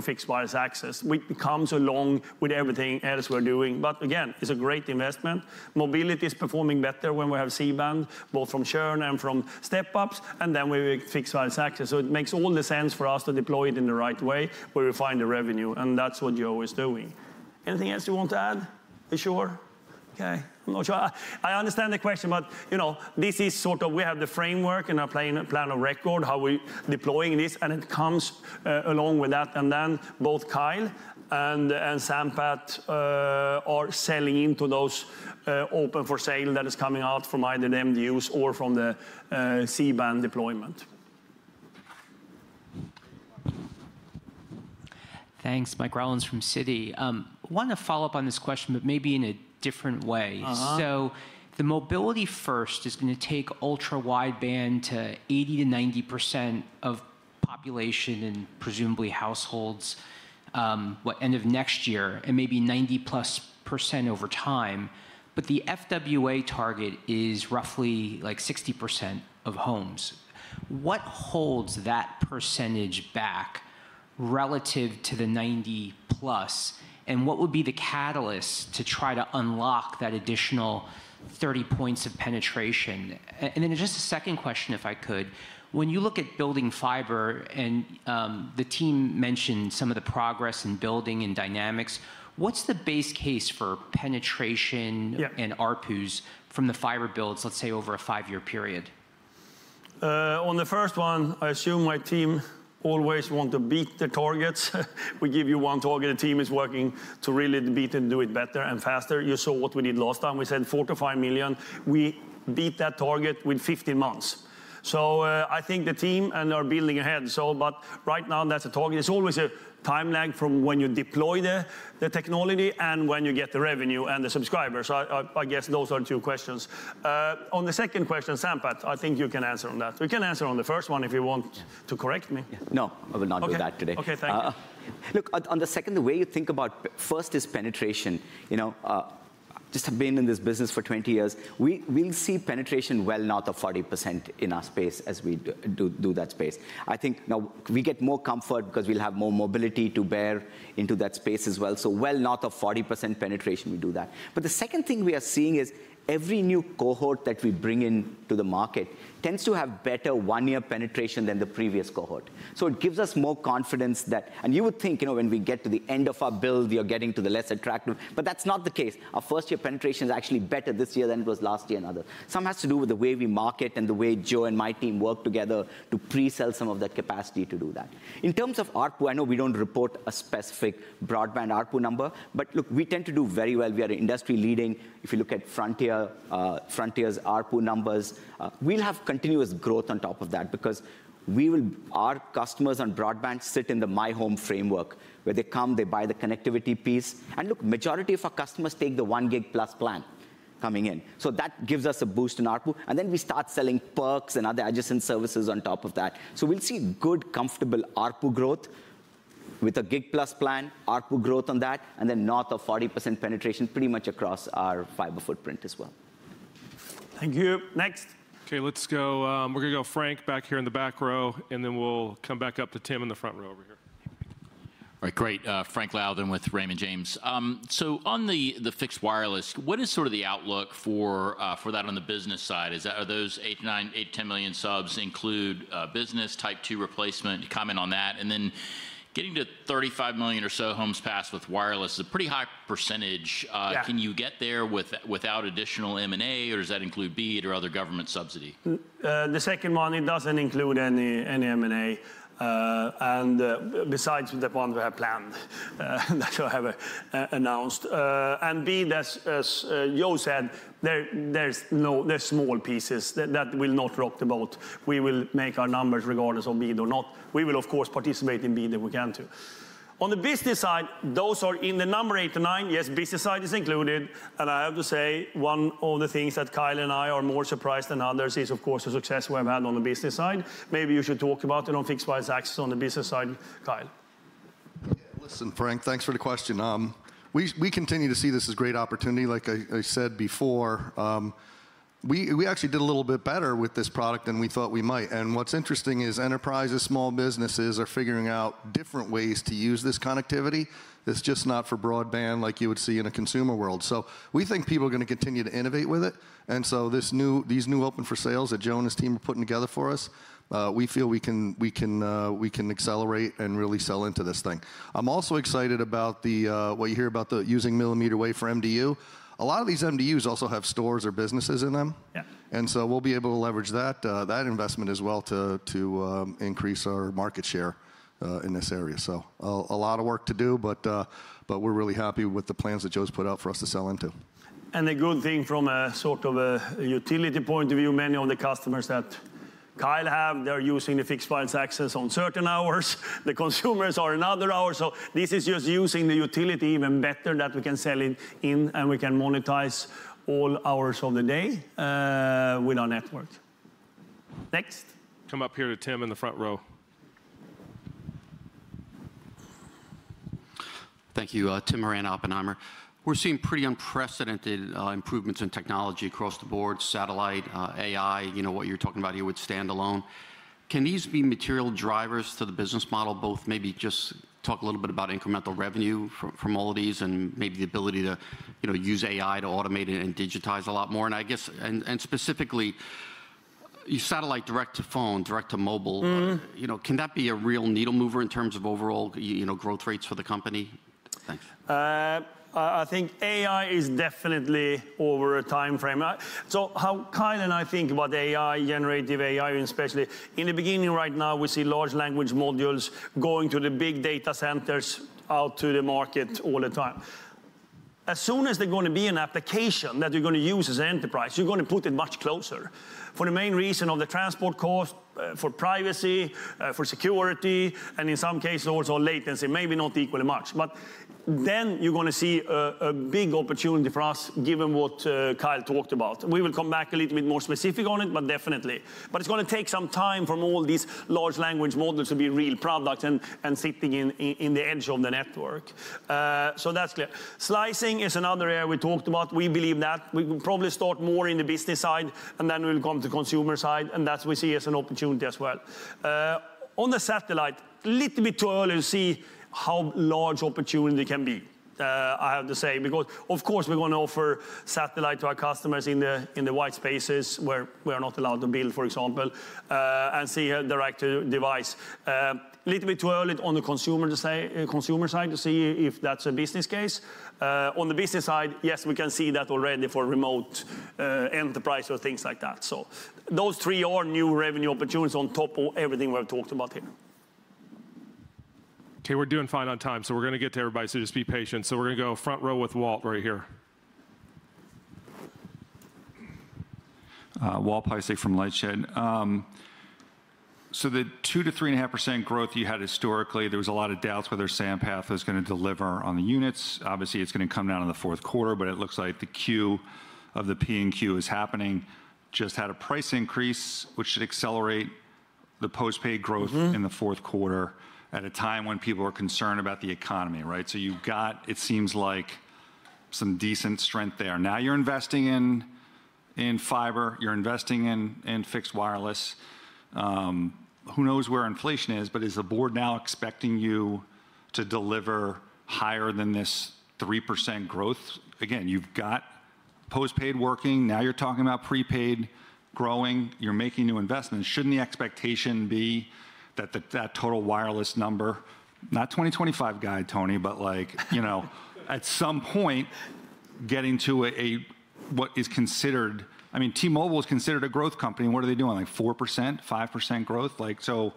Fixed Wireless Access. it comes along with everything else we're doing. But again, it's a great investment. Mobility is performing better when we have C-Band, both from churn and from step-ups, and Fixed Wireless Access. so it makes all the sense for us to deploy it in the right way, where we find the revenue, and that's what Joe is doing. Anything else you want to add? You sure? Okay. I'm not sure. I understand the question, but you know, this is sort of we have the framework and a plan of record, how we're deploying this, and it comes along with that. And then both Kyle and Sampath are selling into those open for sale that is coming out from either the MDUs or from the C-Band deployment. Thanks. Mike Rollins from Citi. I want to follow up on this question, but maybe in a different way. Uh-huh. The Mobility First is gonna take Ultra Wideband to 80%-90% of population and presumably households end of next year, and maybe 90%+ over time. But the FWA target is roughly, like, 60% of homes. What holds that percentage back relative to the 90%+, and what would be the catalyst to try to unlock that additional 30 points of penetration? And then just a second question, if I could. When you look at building fiber, and the team mentioned some of the progress in building and dynamics, what's the base case for penetration- Yeah... and ARPU's from the fiber builds, let's say, over a five-year period? On the first one, I assume my team always want to beat the targets. We give you one target, the team is working to really beat and do it better and faster. You saw what we did last time. We said $4 million-$5 million. We beat that target with 15 months. So, I think the team and are building ahead. So but right now, that's the target. There's always a time lag from when you deploy the technology and when you get the revenue and the subscribers. So I guess those are two questions. On the second question, Sampath, I think you can answer on that. You can answer on the first one if you want to correct me. Yeah. No, I will not do that today. Okay. Okay, thank you. Look, on the second, the way you think about first is penetration. You know, just have been in this business for 20 years. We see penetration well north of 40% in our space as we do that space. I think now we get more comfort because we'll have more mobility to bear into that space as well, so well north of 40% penetration, we do that. But the second thing we are seeing is every new cohort that we bring into the market tends to have better one-year penetration than the previous cohort. So it gives us more confidence that... And you would think, you know, when we get to the end of our build, we are getting to the less attractive, but that's not the case. Our first-year penetration is actually better this year than it was last year and other. Some has to do with the way we market and the way Joe and my team work together to pre-sell some of that capacity to do that. In terms of ARPU, I know we don't report a specific broadband ARPU number, but look, we tend to do very well. We are industry-leading. If you look at Frontier, Frontier's ARPU numbers, we'll have continuous growth on top of that because our customers on broadband sit in the myHome framework, where they come, they buy the connectivity piece. And look, majority of our customers take the one Gig+ plan.... coming in. So that gives us a boost in ARPU, and then we start selling perks and other adjacent services on top of that. So we'll see good, comfortable ARPU growth with a Gig+ plan, ARPU growth on that, and then north of 40% penetration pretty much across our fiber footprint as well. Thank you. Next. Okay, let's go. We're gonna go Frank, back here in the back row, and then we'll come back up to Tim in the front row over here. All right, great. Frank Louthan with Raymond James. So on the Fixed Wireless, what is sort of the outlook for that on the business side? Are those 8 million, 9 million, 10 million subs include business type two replacement? Can you comment on that? And then getting to 35 million or so homes passed with wireless is a pretty high percentage. Yeah. Can you get there without additional M&A, or does that include BEAD or other government subsidy? The second one, it doesn't include any M&A, and besides the one we have planned, that I have announced, and BEAD, as Joe said, there's no, they're small pieces. That will not rock the boat. We will make our numbers regardless of BEAD or not. We will, of course, participate in BEAD if we can, too. On the business side, those are in the number eight to nine, yes, business side is included, and I have to say, one of the things that Kyle and I are more surprised than others is, of course, the success we've had on the business side. Maybe you should talk Fixed Wireless Access on the business side, Kyle. Yeah, listen, Frank, thanks for the question. We continue to see this as great opportunity. Like I said before, we actually did a little bit better with this product than we thought we might. And what's interesting is enterprises, small businesses are figuring out different ways to use this connectivity. It's just not for broadband like you would see in a consumer world. So we think people are gonna continue to innovate with it, and so these new open for sales that Joe and his team are putting together for us, we feel we can accelerate and really sell into this thing. I'm also excited about what you hear about using Millimeter Wave for MDU. A lot of these MDUs also have stores or businesses in them. Yeah... and so we'll be able to leverage that that investment as well to increase our market share in this area. So a lot of work to do, but we're really happy with the plans that Joe's put out for us to sell into. The good thing from a sort of a utility point of view, many of the customers that Kyle have, Fixed Wireless Access on certain hours, the consumers are another hour. So this is just using the utility even better that we can sell in and we can monetize all hours of the day with our network. Next. Come up here to Tim in the front row. Thank you. Tim Horan, Oppenheimer. We're seeing pretty unprecedented improvements in technology across the board, satellite, AI, you know, what you're talking about here with standalone. Can these be material drivers to the business model? Both maybe just talk a little bit about incremental revenue from all of these, and maybe the ability to, you know, use AI to automate it and digitize a lot more. And specifically, your satellite direct to phone, direct to mobile- Mm... you know, can that be a real needle mover in terms of overall, you know, growth rates for the company? Thanks. I think AI is definitely over a timeframe. So how Kyle and I think about AI, generative AI especially, in the beginning right now, we see large language models going to the big data centers out to the market all the time. As soon as there're gonna be an application that you're gonna use as an enterprise, you're gonna put it much closer, for the main reason of the transport cost, for privacy, for security, and in some cases also latency, maybe not equally much. But then you're gonna see a big opportunity for us, given what Kyle talked about. We will come back a little bit more specific on it, but definitely. But it's gonna take some time from all these large language models to be real product and sitting in the edge of the network. So that's clear. Slicing is another area we talked about. We believe that we will probably start more in the business side, and then we'll come to consumer side, and that we see as an opportunity as well. On the satellite, little bit too early to see how large opportunity can be. I have to say, because, of course, we're gonna offer satellite to our customers in the white spaces where we are not allowed to build, for example, and see direct to device. Little bit too early on the consumer side to see if that's a business case. On the business side, yes, we can see that already for remote enterprise or things like that. So those three are new revenue opportunities on top of everything we've talked about here. Okay, we're doing fine on time, so we're gonna get to everybody, so just be patient. So we're gonna go front row with Walt right here. Walt Piecyk from LightShed. So the 2% to 3.5% growth you had historically, there was a lot of doubts whether Sampath was gonna deliver on the units. Obviously, it's gonna come down in the fourth quarter, but it looks like the Q of the P/Q is happening. Just had a price increase, which should accelerate the post-paid growth. Mm-hmm... in the fourth quarter at a time when people are concerned about the economy, right? So you've got, it seems like, some decent strength there. Now, you're investing in fiber, you're investing in Fixed Wireless. Who knows where inflation is, but is the board now expecting you to deliver higher than this 3% growth? Again, you've got postpaid working, now you're talking about prepaid growing. You're making new investments. Shouldn't the expectation be that the, that total wireless number, not 2025 guide, Tony, but like... you know, at some point, getting to a, a, what is considered... I mean, T-Mobile is considered a growth company, and what are they doing, like 4%, 5% growth? Like, so...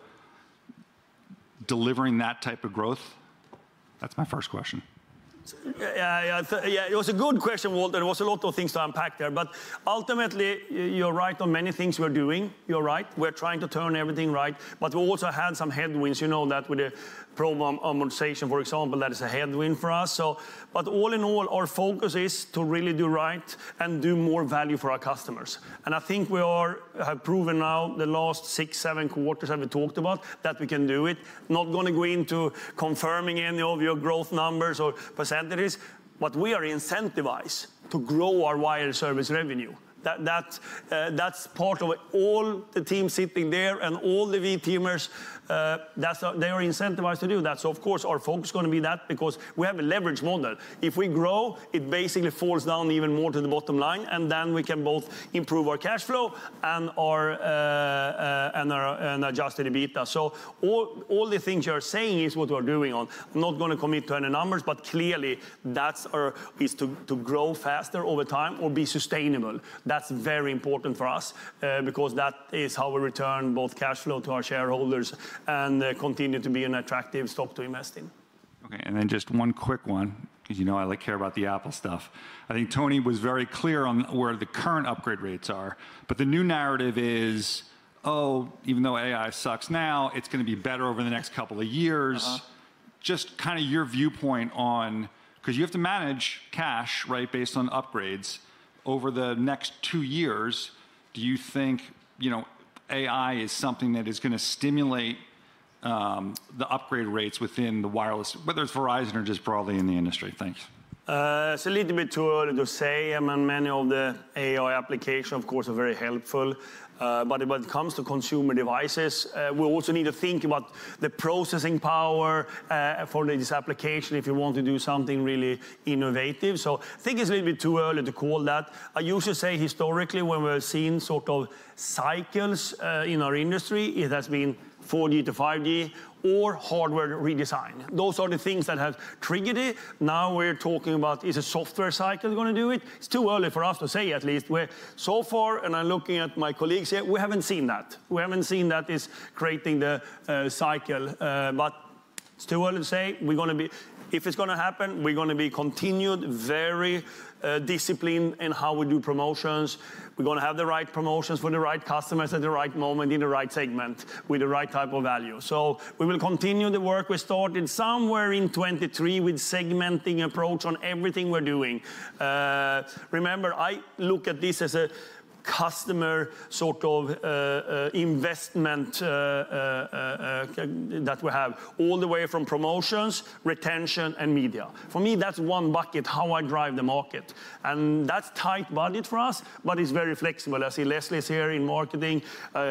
delivering that type of growth? That's my first question. Yeah, it was a good question, Walt. There was a lot of things to unpack there, but ultimately, you're right on many things we're doing. You're right. We're trying to turn everything right, but we also had some headwinds, you know, that with the promo amortization, for example, that is a headwind for us. So, but all in all, our focus is to really do right and do more value for our customers, and I think we have proven now the last six, seven quarters that we talked about, that we can do it. Not gonna go into confirming any of your growth numbers or percentages, but we are incentivized to grow our wire service revenue. That, that's part of it. All the teams sitting there and all the V teamers, that's, they are incentivized to do that. So of course our focus is gonna be that because we have a leverage model. If we grow, it basically falls down even more to the bottom line, and then we can both improve our cash flow and our Adjusted EBITDA. So all the things you're saying is what we're doing on. I'm not gonna commit to any numbers, but clearly that's our is to grow faster over time or be sustainable. That's very important for us, because that is how we return both cash flow to our shareholders and continue to be an attractive stock to invest in. Okay, and then just one quick one, because you know I, like, care about the Apple stuff. I think Tony was very clear on where the current upgrade rates are, but the new narrative is, "Oh, even though AI sucks now, it's gonna be better over the next couple of years. Uh-huh. Just kind of your viewpoint on... 'Cause you have to manage cash, right, based on upgrades over the next two years, do you think, you know, AI is something that is gonna stimulate the upgrade rates within the wireless, whether it's Verizon or just broadly in the industry? Thanks. It's a little bit too early to say. I mean, many of the AI application, of course, are very helpful, but when it comes to consumer devices, we also need to think about the processing power for this application if you want to do something really innovative. So I think it's a little bit too early to call that. I usually say historically, when we're seeing sort of cycles in our industry, it has been 4G to 5G or hardware redesign. Those are the things that have triggered it. Now we're talking about, is a software cycle gonna do it? It's too early for us to say, at least. We're so far, and I'm looking at my colleagues here, we haven't seen that. We haven't seen that it's creating the cycle, but it's too early to say. We're gonna be... If it's gonna happen, we're gonna continue to be very disciplined in how we do promotions. We're gonna have the right promotions for the right customers at the right moment, in the right segment, with the right type of value. So we will continue the work we started somewhere in 2023 with segmenting approach on everything we're doing. Remember, I look at this as a customer sort of investment that we have, all the way from promotions, retention, and media. For me, that's one bucket, how I drive the market, and that's tight budget for us, but it's very flexible. I see Leslie is here in marketing,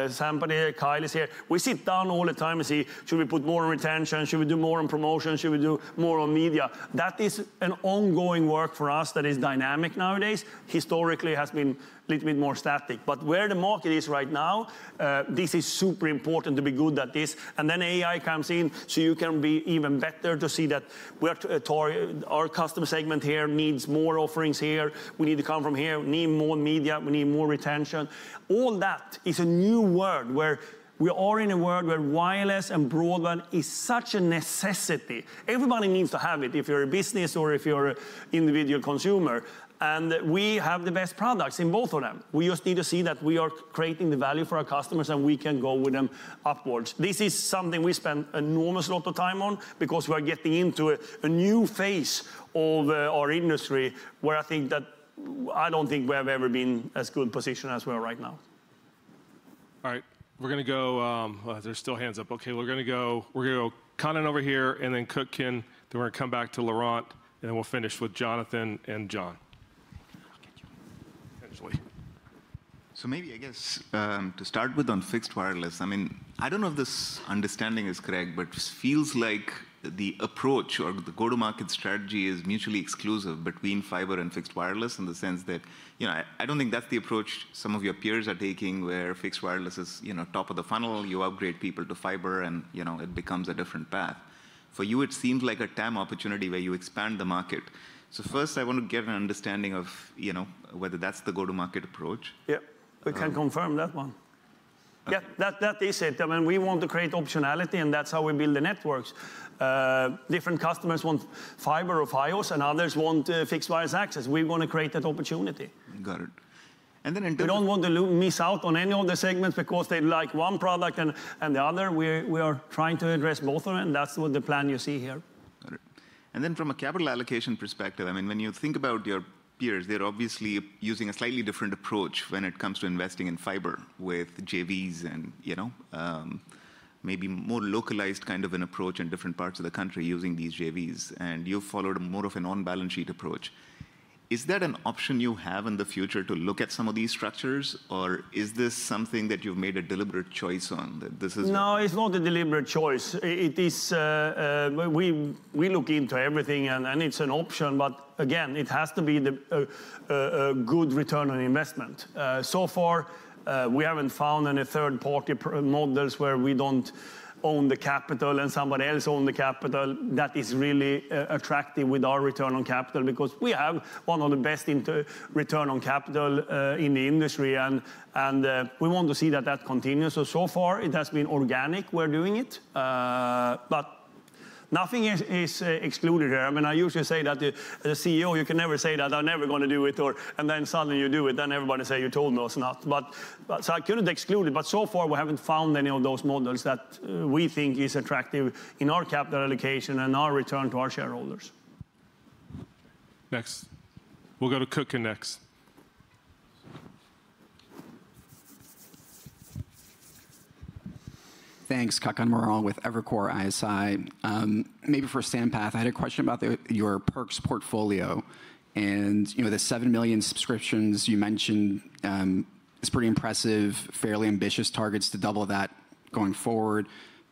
Sam is here, Kyle is here. We sit down all the time and say, "Should we put more on retention? Should we do more on promotion? Should we do more on media?" That is an ongoing work for us that is dynamic nowadays. Historically, it has been a little bit more static, but where the market is right now, this is super important to be good at this. And then AI comes in, so you can be even better to see that we're targeting our customer segment here needs more offerings here. We need to come from here. We need more media, we need more retention. All that is a new world, where we are in a world where wireless and broadband is such a necessity. Everybody needs to have it, if you're a business or if you're an individual consumer, and we have the best products in both of them. We just need to see that we are creating the value for our customers, and we can go with them upwards. This is something we spend enormous lot of time on because we are getting into a new phase of our industry, where I think that... I don't think we have ever been as good position as we are right now. All right, we're gonna go. There's still hands up. Okay, we're gonna go, we're gonna go Kannan over here, and then Kutgun, then we're gonna come back to Laurent, and then we'll finish with Jonathan and John. Eventually. So maybe, I guess, to start with on Fixed Wireless, I mean, I don't know if this understanding is correct, but it just feels like the approach or the go-to-market strategy is mutually exclusive between fiber and Fixed Wireless, in the sense that, you know, I don't think that's the approach some of your peers are taking, where Fixed Wireless is, you know, top of the funnel. You upgrade people to fiber and, you know, it becomes a different path. For you, it seems like a TAM opportunity where you expand the market. So first, I want to get an understanding of, you know, whether that's the go-to-market approach. Yeah, we can confirm that one. Okay. Yeah, that, that is it. I mean, we want to create optionality, and that's how we build the networks. Different customers want fiber or Fios, Fixed Wireless Access. we want to create that opportunity. Got it. And then in- We don't want to miss out on any of the segments because they like one product and the other. We are trying to address both of them, and that's what the plan you see here. Got it. And then from a capital allocation perspective, I mean, when you think about your peers, they're obviously using a slightly different approach when it comes to investing in fiber with JVs and, you know, maybe more localized kind of an approach in different parts of the country using these JVs, and you've followed more of an on-balance sheet approach. Is that an option you have in the future to look at some of these structures, or is this something that you've made a deliberate choice on, that this is- No, it's not a deliberate choice. It is. We look into everything, and it's an option, but again, it has to be a good return on investment. So far, we haven't found any third-party partner models where we don't own the capital and somebody else own the capital, that is really attractive with our return on capital, because we have one of the best returns on capital in the industry, and we want to see that that continues. So far it has been organic, we're doing it, but nothing is excluded here. I mean, I usually say that, as a CEO, you can never say that I'm never gonna do it or - and then suddenly you do it, then everybody say, "You told us not." But so I couldn't exclude it, but so far we haven't found any of those models that we think is attractive in our capital allocation and our return to our shareholders. Next. We'll go to Kannan next. Thanks. Kutgun Maral with Evercore ISI. Maybe for Sampath, I had a question about the, your perks portfolio. And, you know, the 7 million subscriptions you mentioned is pretty impressive, fairly ambitious targets to double that going forward.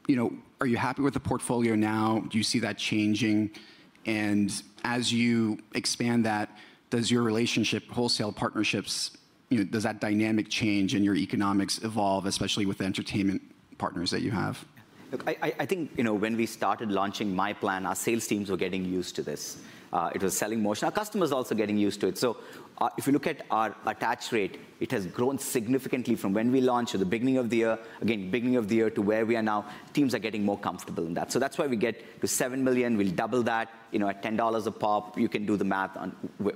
You know, are you happy with the portfolio now? Do you see that changing? And as you expand that, does your relationship, wholesale partnerships, you know, does that dynamic change and your economics evolve, especially with the entertainment partners that you have? Look, I think, you know, when we started launching myPlan, our sales teams were getting used to this. It was selling more. Our customers were also getting used to it. So, if you look at our attach rate, it has grown significantly from when we launched at the beginning of the year to where we are now. Teams are getting more comfortable in that. So that's why we get the seven million. We'll double that. You know, at $10 a pop, you can do the math on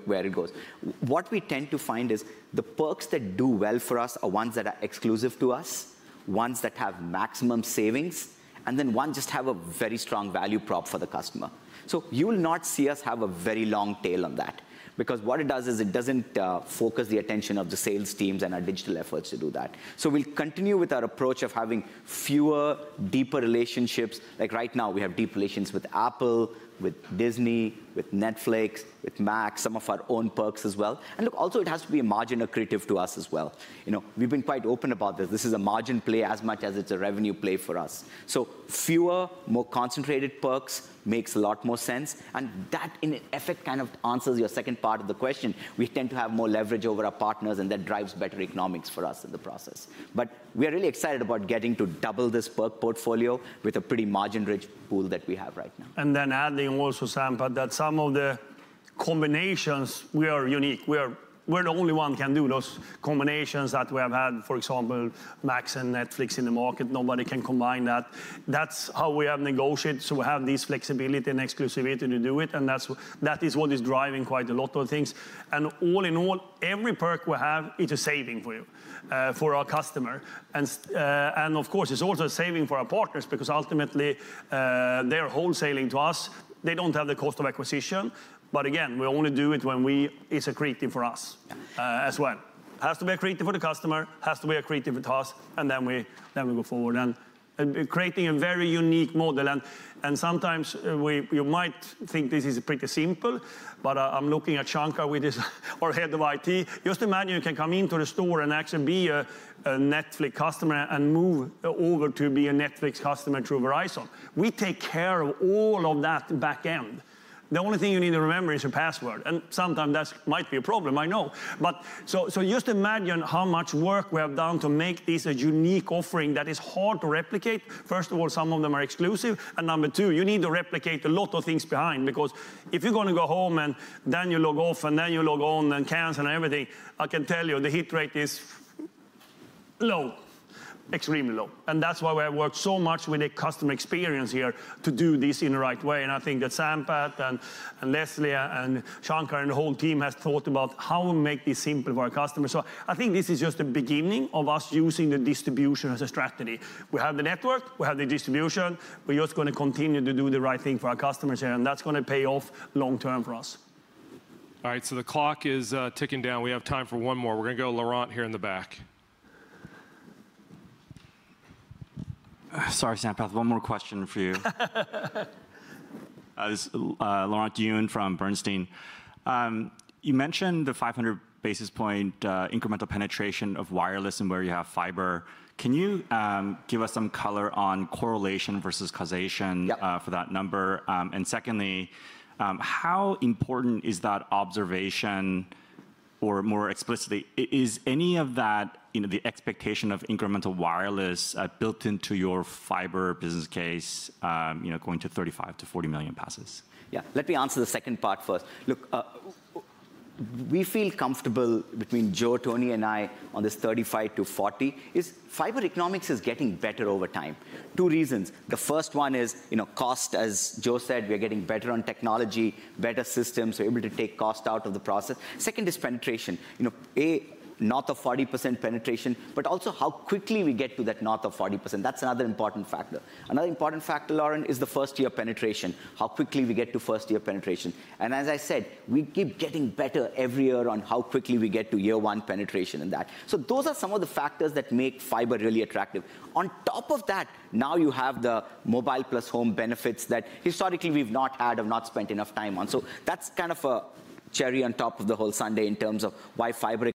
where it goes. What we tend to find is the perks that do well for us are ones that are exclusive to us, ones that have maximum savings, and then one just have a very strong value prop for the customer. So you will not see us have a very long tail on that, because what it does is it doesn't focus the attention of the sales teams and our digital efforts to do that. So we'll continue with our approach of having fewer, deeper relationships. Like, right now, we have deep relations with Apple, with Disney, with Netflix, with Max, some of our own perks as well. And look, also, it has to be margin accretive to us as well. You know, we've been quite open about this. This is a margin play as much as it's a revenue play for us. So fewer, more concentrated perks makes a lot more sense, and that, in effect, kind of answers your second part of the question. We tend to have more leverage over our partners, and that drives better economics for us in the process. But we are really excited about getting to double this perk portfolio with a pretty margin-rich pool that we have right now. Then adding also, Sampath, that some of the combinations, we are unique. We're the only one can do those combinations that we have had. For example, Max and Netflix in the market, nobody can combine that. That's how we have negotiated, so we have this flexibility and exclusivity to do it, and that is what is driving quite a lot of things. All in all, every perk we have, it's a saving for you, for our customer. And of course, it's also a saving for our partners, because ultimately, they're wholesaling to us. They don't have the cost of acquisition. But again, we only do it when we... it's accretive for us, as well. Has to be accretive for the customer, has to be accretive to us, and then we go forward. And we're creating a very unique model, and sometimes you might think this is pretty simple, but I'm looking at Shankar with his our head of IT. Just imagine you can come into the store and actually be a Netflix customer and move over to be a Netflix customer through Verizon. We take care of all of that back end. The only thing you need to remember is your password, and sometimes that might be a problem, I know. But just imagine how much work we have done to make this a unique offering that is hard to replicate. First of all, some of them are exclusive, and number two, you need to replicate a lot of things behind, because if you're gonna go home, and then you log off, and then you log on, and cancel, and everything, I think I can tell you the hit rate is low, extremely low. And that's why we have worked so much with the customer experience here to do this in the right way. And I think that Sampath, and Leslie, and Shankar, and the whole team has thought about how we make this simple for our customers. So I think this is just the beginning of us using the distribution as a strategy. We have the network, we have the distribution, we're just gonna continue to do the right thing for our customers, and that's gonna pay off long term for us. All right, so the clock is ticking down. We have time for one more. We're gonna go to Laurent here in the back. Sorry, Sampath, one more question for you. This is Laurent Yoon from Bernstein. You mentioned the 500 basis points incremental penetration of wireless and where you have fiber. Can you give us some color on correlation versus causation? For that number? And secondly, how important is that observation, or more explicitly, is any of that, you know, the expectation of incremental wireless built into your fiber business case, you know, going to 35 million to 40 million passes? Yeah, let me answer the second part first. Look, we feel comfortable between Joe, Tony, and I on this 35 million-40 million, is fiber economics is getting better over time. Two reasons. The first one is, you know, cost. As Joe said, we're getting better on technology, better systems. We're able to take cost out of the process. Second is penetration. You know, A, north of 40% penetration, but also how quickly we get to that north of 40%. That's another important factor. Another important factor, Laurent, is the first-year penetration, how quickly we get to first-year penetration. And as I said, we keep getting better every year on how quickly we get to year-one penetration in that. So those are some of the factors that make fiber really attractive. On top of that, now you have the Mobile + Home benefits that historically we've not had or not spent enough time on. So that's kind of a cherry on top of the whole sundae in terms of why fiber...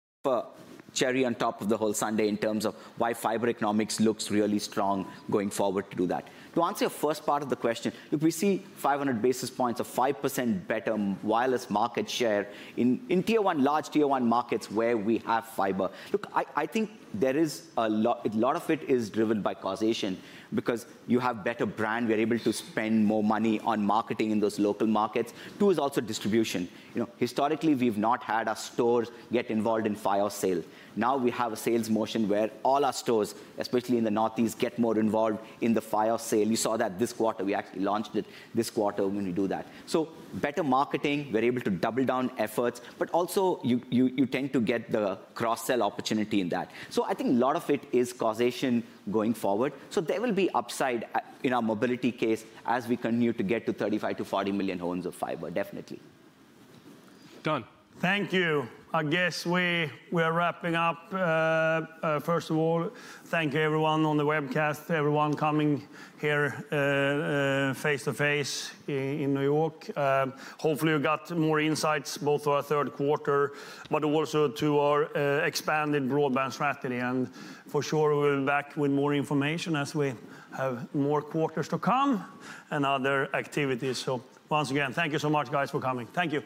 cherry on top of the whole sundae in terms of why fiber economics looks really strong going forward to do that. To answer your first part of the question, if we see 500 basis points, a 5% better wireless market share, in tier one, large tier one markets where we have fiber, look, I think there is a lot of it is driven by causation, because you have better brand. We're able to spend more money on marketing in those local markets. Two is also distribution. You know, historically, we've not had our stores get involved in fiber sale. Now, we have a sales motion where all our stores, especially in the Northeast, get more involved in the fiber sale. You saw that this quarter. We actually launched it this quarter when we do that. So better marketing, we're able to double down efforts, but also you tend to get the cross-sell opportunity in that. So I think a lot of it is causation going forward. So there will be upside at, in our mobility case, as we continue to get to 35 million-40 million homes of fiber, definitely. Done? Thank you. I guess we are wrapping up. First of all, thank you everyone on the webcast, everyone coming here face-to-face in New York. Hopefully, you got more insights, both to our third quarter, but also to our expanded broadband strategy. And for sure, we'll be back with more information as we have more quarters to come and other activities. So once again, thank you so much, guys, for coming. Thank you.